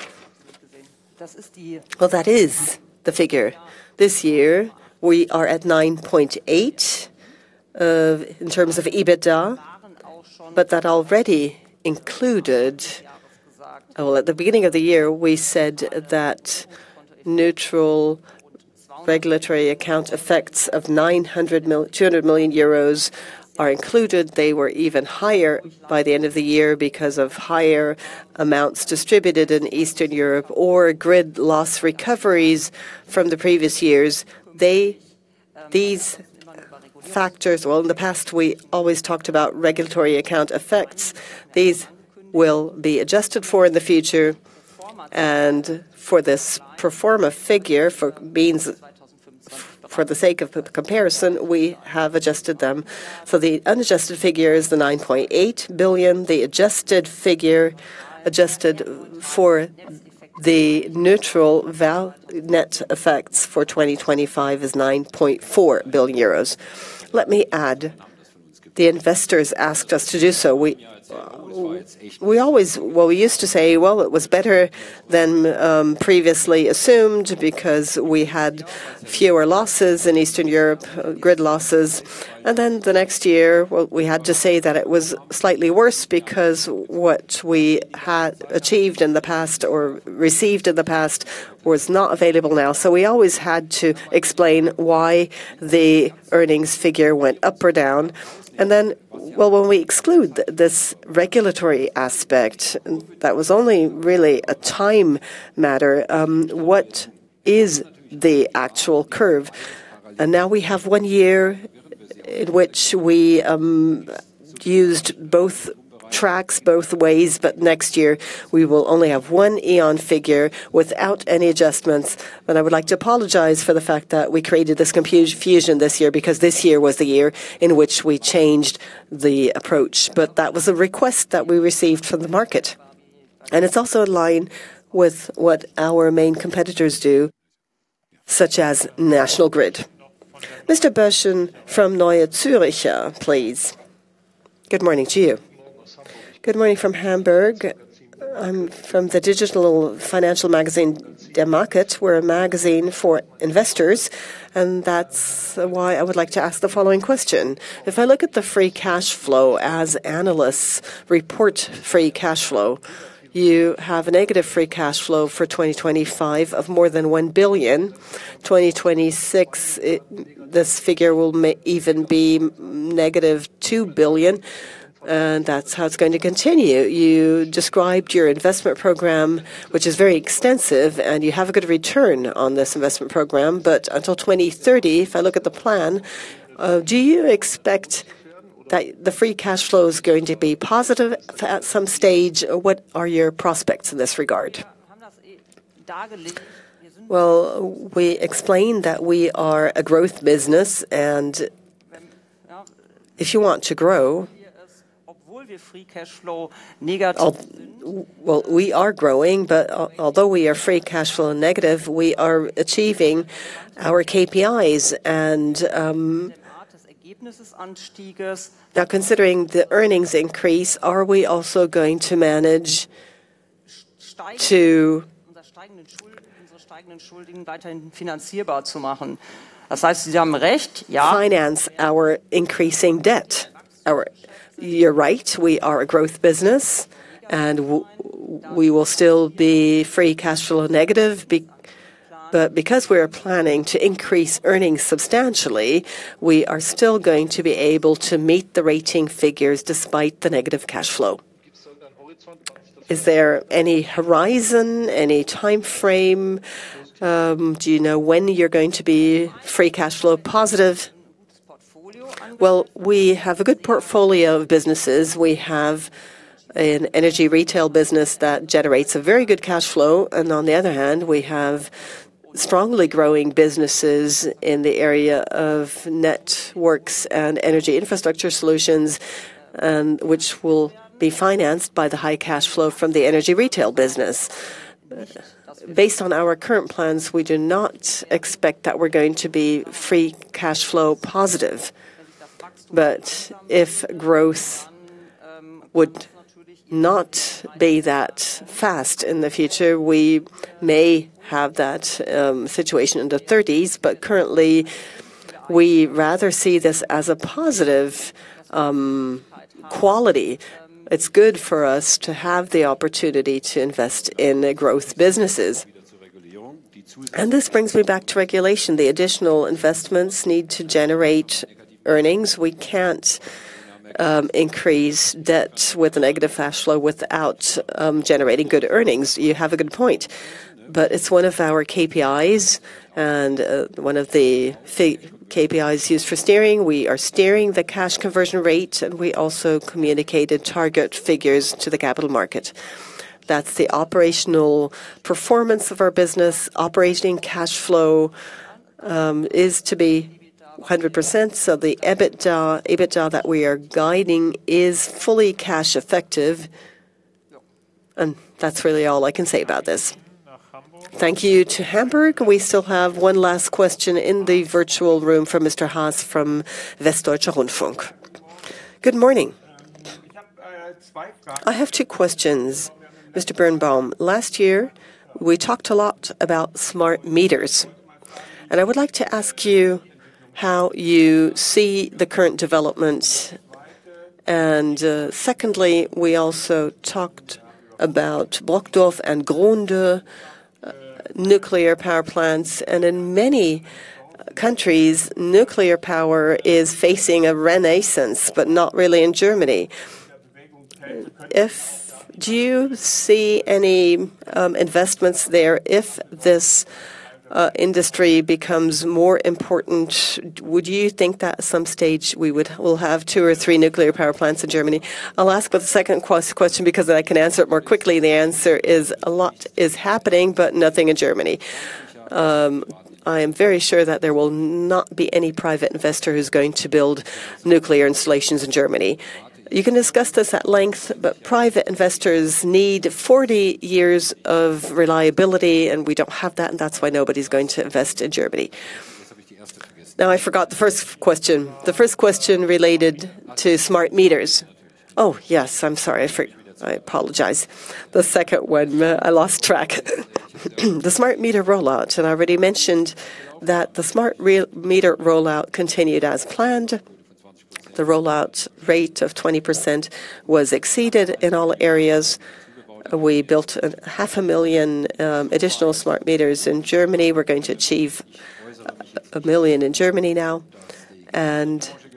Well, that is the figure. This year, we are at 9.8 in terms of EBITDA, that already included... At the beginning of the year, we said that neutral regulatory account effects of 200 million euros are included. They were even higher by the end of the year because of higher amounts distributed in Eastern Europe or grid loss recoveries from the previous years. These factors, well, in the past, we always talked about regulatory account effects. These will be adjusted for in the future, for this pro forma figure, for the sake of the comparison, we have adjusted them. The unadjusted figure is the 9.8 billion. The adjusted figure, adjusted for the neutral net effects for 2025 is 9.4 billion euros. Let me add, the investors asked us to do so. We always... Well, we used to say, "Well, it was better than previously assumed," because we had fewer losses in Eastern Europe, grid losses. The next year, well, we had to say that it was slightly worse because what we had achieved in the past or received in the past was not available now. We always had to explain why the earnings figure went up or down. Well, when we exclude this regulatory aspect, that was only really a time matter, what is the actual curve? Now we have one year in which we used both tracks both ways, but next year we will only have one E.ON figure without any adjustments. I would like to apologize for the fact that we created this confusion this year, because this year was the year in which we changed the approach. That was a request that we received from the market, and it's also in line with what our main competitors do, such as National Grid. Mr. Rasch from Neue Zürcher Zeitung, please. Good morning to you. Good morning from Hamburg. I'm from the digital financial magazine Der Markt. We're a magazine for investors, and that's why I would like to ask the following question: If I look at the free cash flow as analysts report free cash flow, you have a negative free cash flow for 2025 of more than 1 billion. 2026, this figure will even be negative 2 billion, and that's how it's going to continue. You described your investment program, which is very extensive, and you have a good return on this investment program, but until 2030, if I look at the plan, do you expect that the free cash flow is going to be positive at some stage? What are your prospects in this regard? Well, we explained that we are a growth business, and if you want to grow, well, we are growing, but although we are free cash flow negative, we are achieving our KPIs. Now, considering the earnings increase, are we also going to manage to finance our increasing debt? You're right, we are a growth business, and we will still be free cash flow negative. Because we are planning to increase earnings substantially, we are still going to be able to meet the rating figures despite the negative cash flow. Is there any horizon, any time frame? Do you know when you're going to be free cash flow positive? Well, we have a good portfolio of businesses. We have an Energy Retail business that generates a very good cash flow, and on the other hand, we have strongly growing businesses in the area of Energy Networks and Energy Infrastructure Solutions, which will be financed by the high cash flow from the Energy Retail business. Based on our current plans, we do not expect that we're going to be free cash flow positive. If growth would not be that fast in the future, we may have that situation in the thirties. Currently, we rather see this as a positive quality. It's good for us to have the opportunity to invest in the growth businesses. This brings me back to regulation. The additional investments need to generate earnings. We can't increase debt with a negative cash flow without generating good earnings. You have a good point, but it's one of our KPIs and one of the KPIs used for steering. We are steering the cash conversion rate, and we also communicated target figures to the capital market. That's the operational performance of our business. Operating cash flow is to be 100%, so the EBITDA that we are guiding is fully cash effective. That's really all I can say about this. Thank you to Hamburg. We still have one last question in the virtual room from Mr. Haas, from Westdeutscher Rundfunk. Good morning. I have two questions, Mr. Birnbaum. Last year, we talked a lot about smart meters, and I would like to ask you how you see the current developments. Secondly, we also talked about Brokdorf and Grohnde nuclear power plants, in many countries, nuclear power is facing a renaissance, not really in Germany. Do you see any investments there if this industry becomes more important? Would you think that at some stage we'll have two or three nuclear power plants in Germany? I'll ask about the second question, because I can answer it more quickly. The answer is a lot is happening, nothing in Germany. I am very sure that there will not be any private investor who's going to build nuclear installations in Germany. You can discuss this at length, private investors need 40 years of reliability, we don't have that's why nobody's going to invest in Germany. I forgot the first question. The first question related to smart meters. Oh, yes, I'm sorry. I apologize. The second one, I lost track. The smart meter rollout, and I already mentioned that the smart meter rollout continued as planned. The rollout rate of 20% was exceeded in all areas. We built a half a million additional smart meters in Germany. We're going to achieve 1 million in Germany now.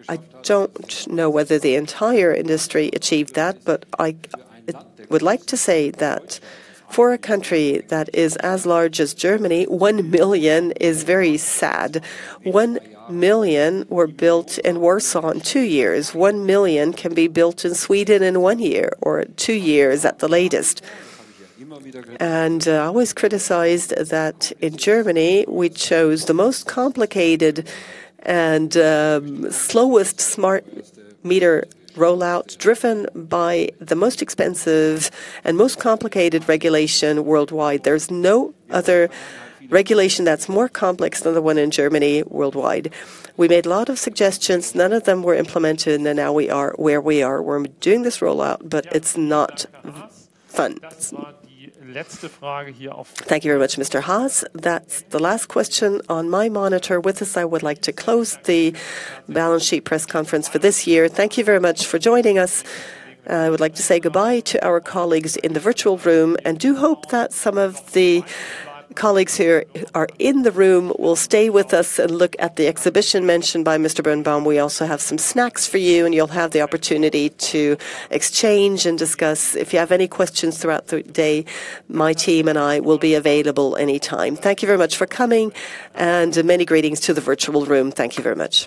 I don't know whether the entire industry achieved that, but I would like to say that for a country that is as large as Germany, 1 million is very sad. 1 million were built in Warsaw in 2 years. 1 million can be built in Sweden in 1 year or 2 years at the latest. I always criticized that in Germany, we chose the most complicated and slowest smart meter rollout, driven by the most expensive and most complicated regulation worldwide. There's no other regulation that's more complex than the one in Germany worldwide. We made a lot of suggestions. None of them were implemented. Now we are where we are. We're doing this rollout, but it's not fun. Thank you very much, Haas. That's the last question on my monitor. With this, I would like to close the balance sheet press conference for this year. Thank you very much for joining us. I would like to say goodbye to our colleagues in the virtual room. Do hope that some of the colleagues here are in the room will stay with us and look at the exhibition mentioned by Birnbaum. We also have some snacks for you, and you'll have the opportunity to exchange and discuss. If you have any questions throughout the day, my team and I will be available anytime. Thank you very much for coming and many greetings to the virtual room. Thank you very much.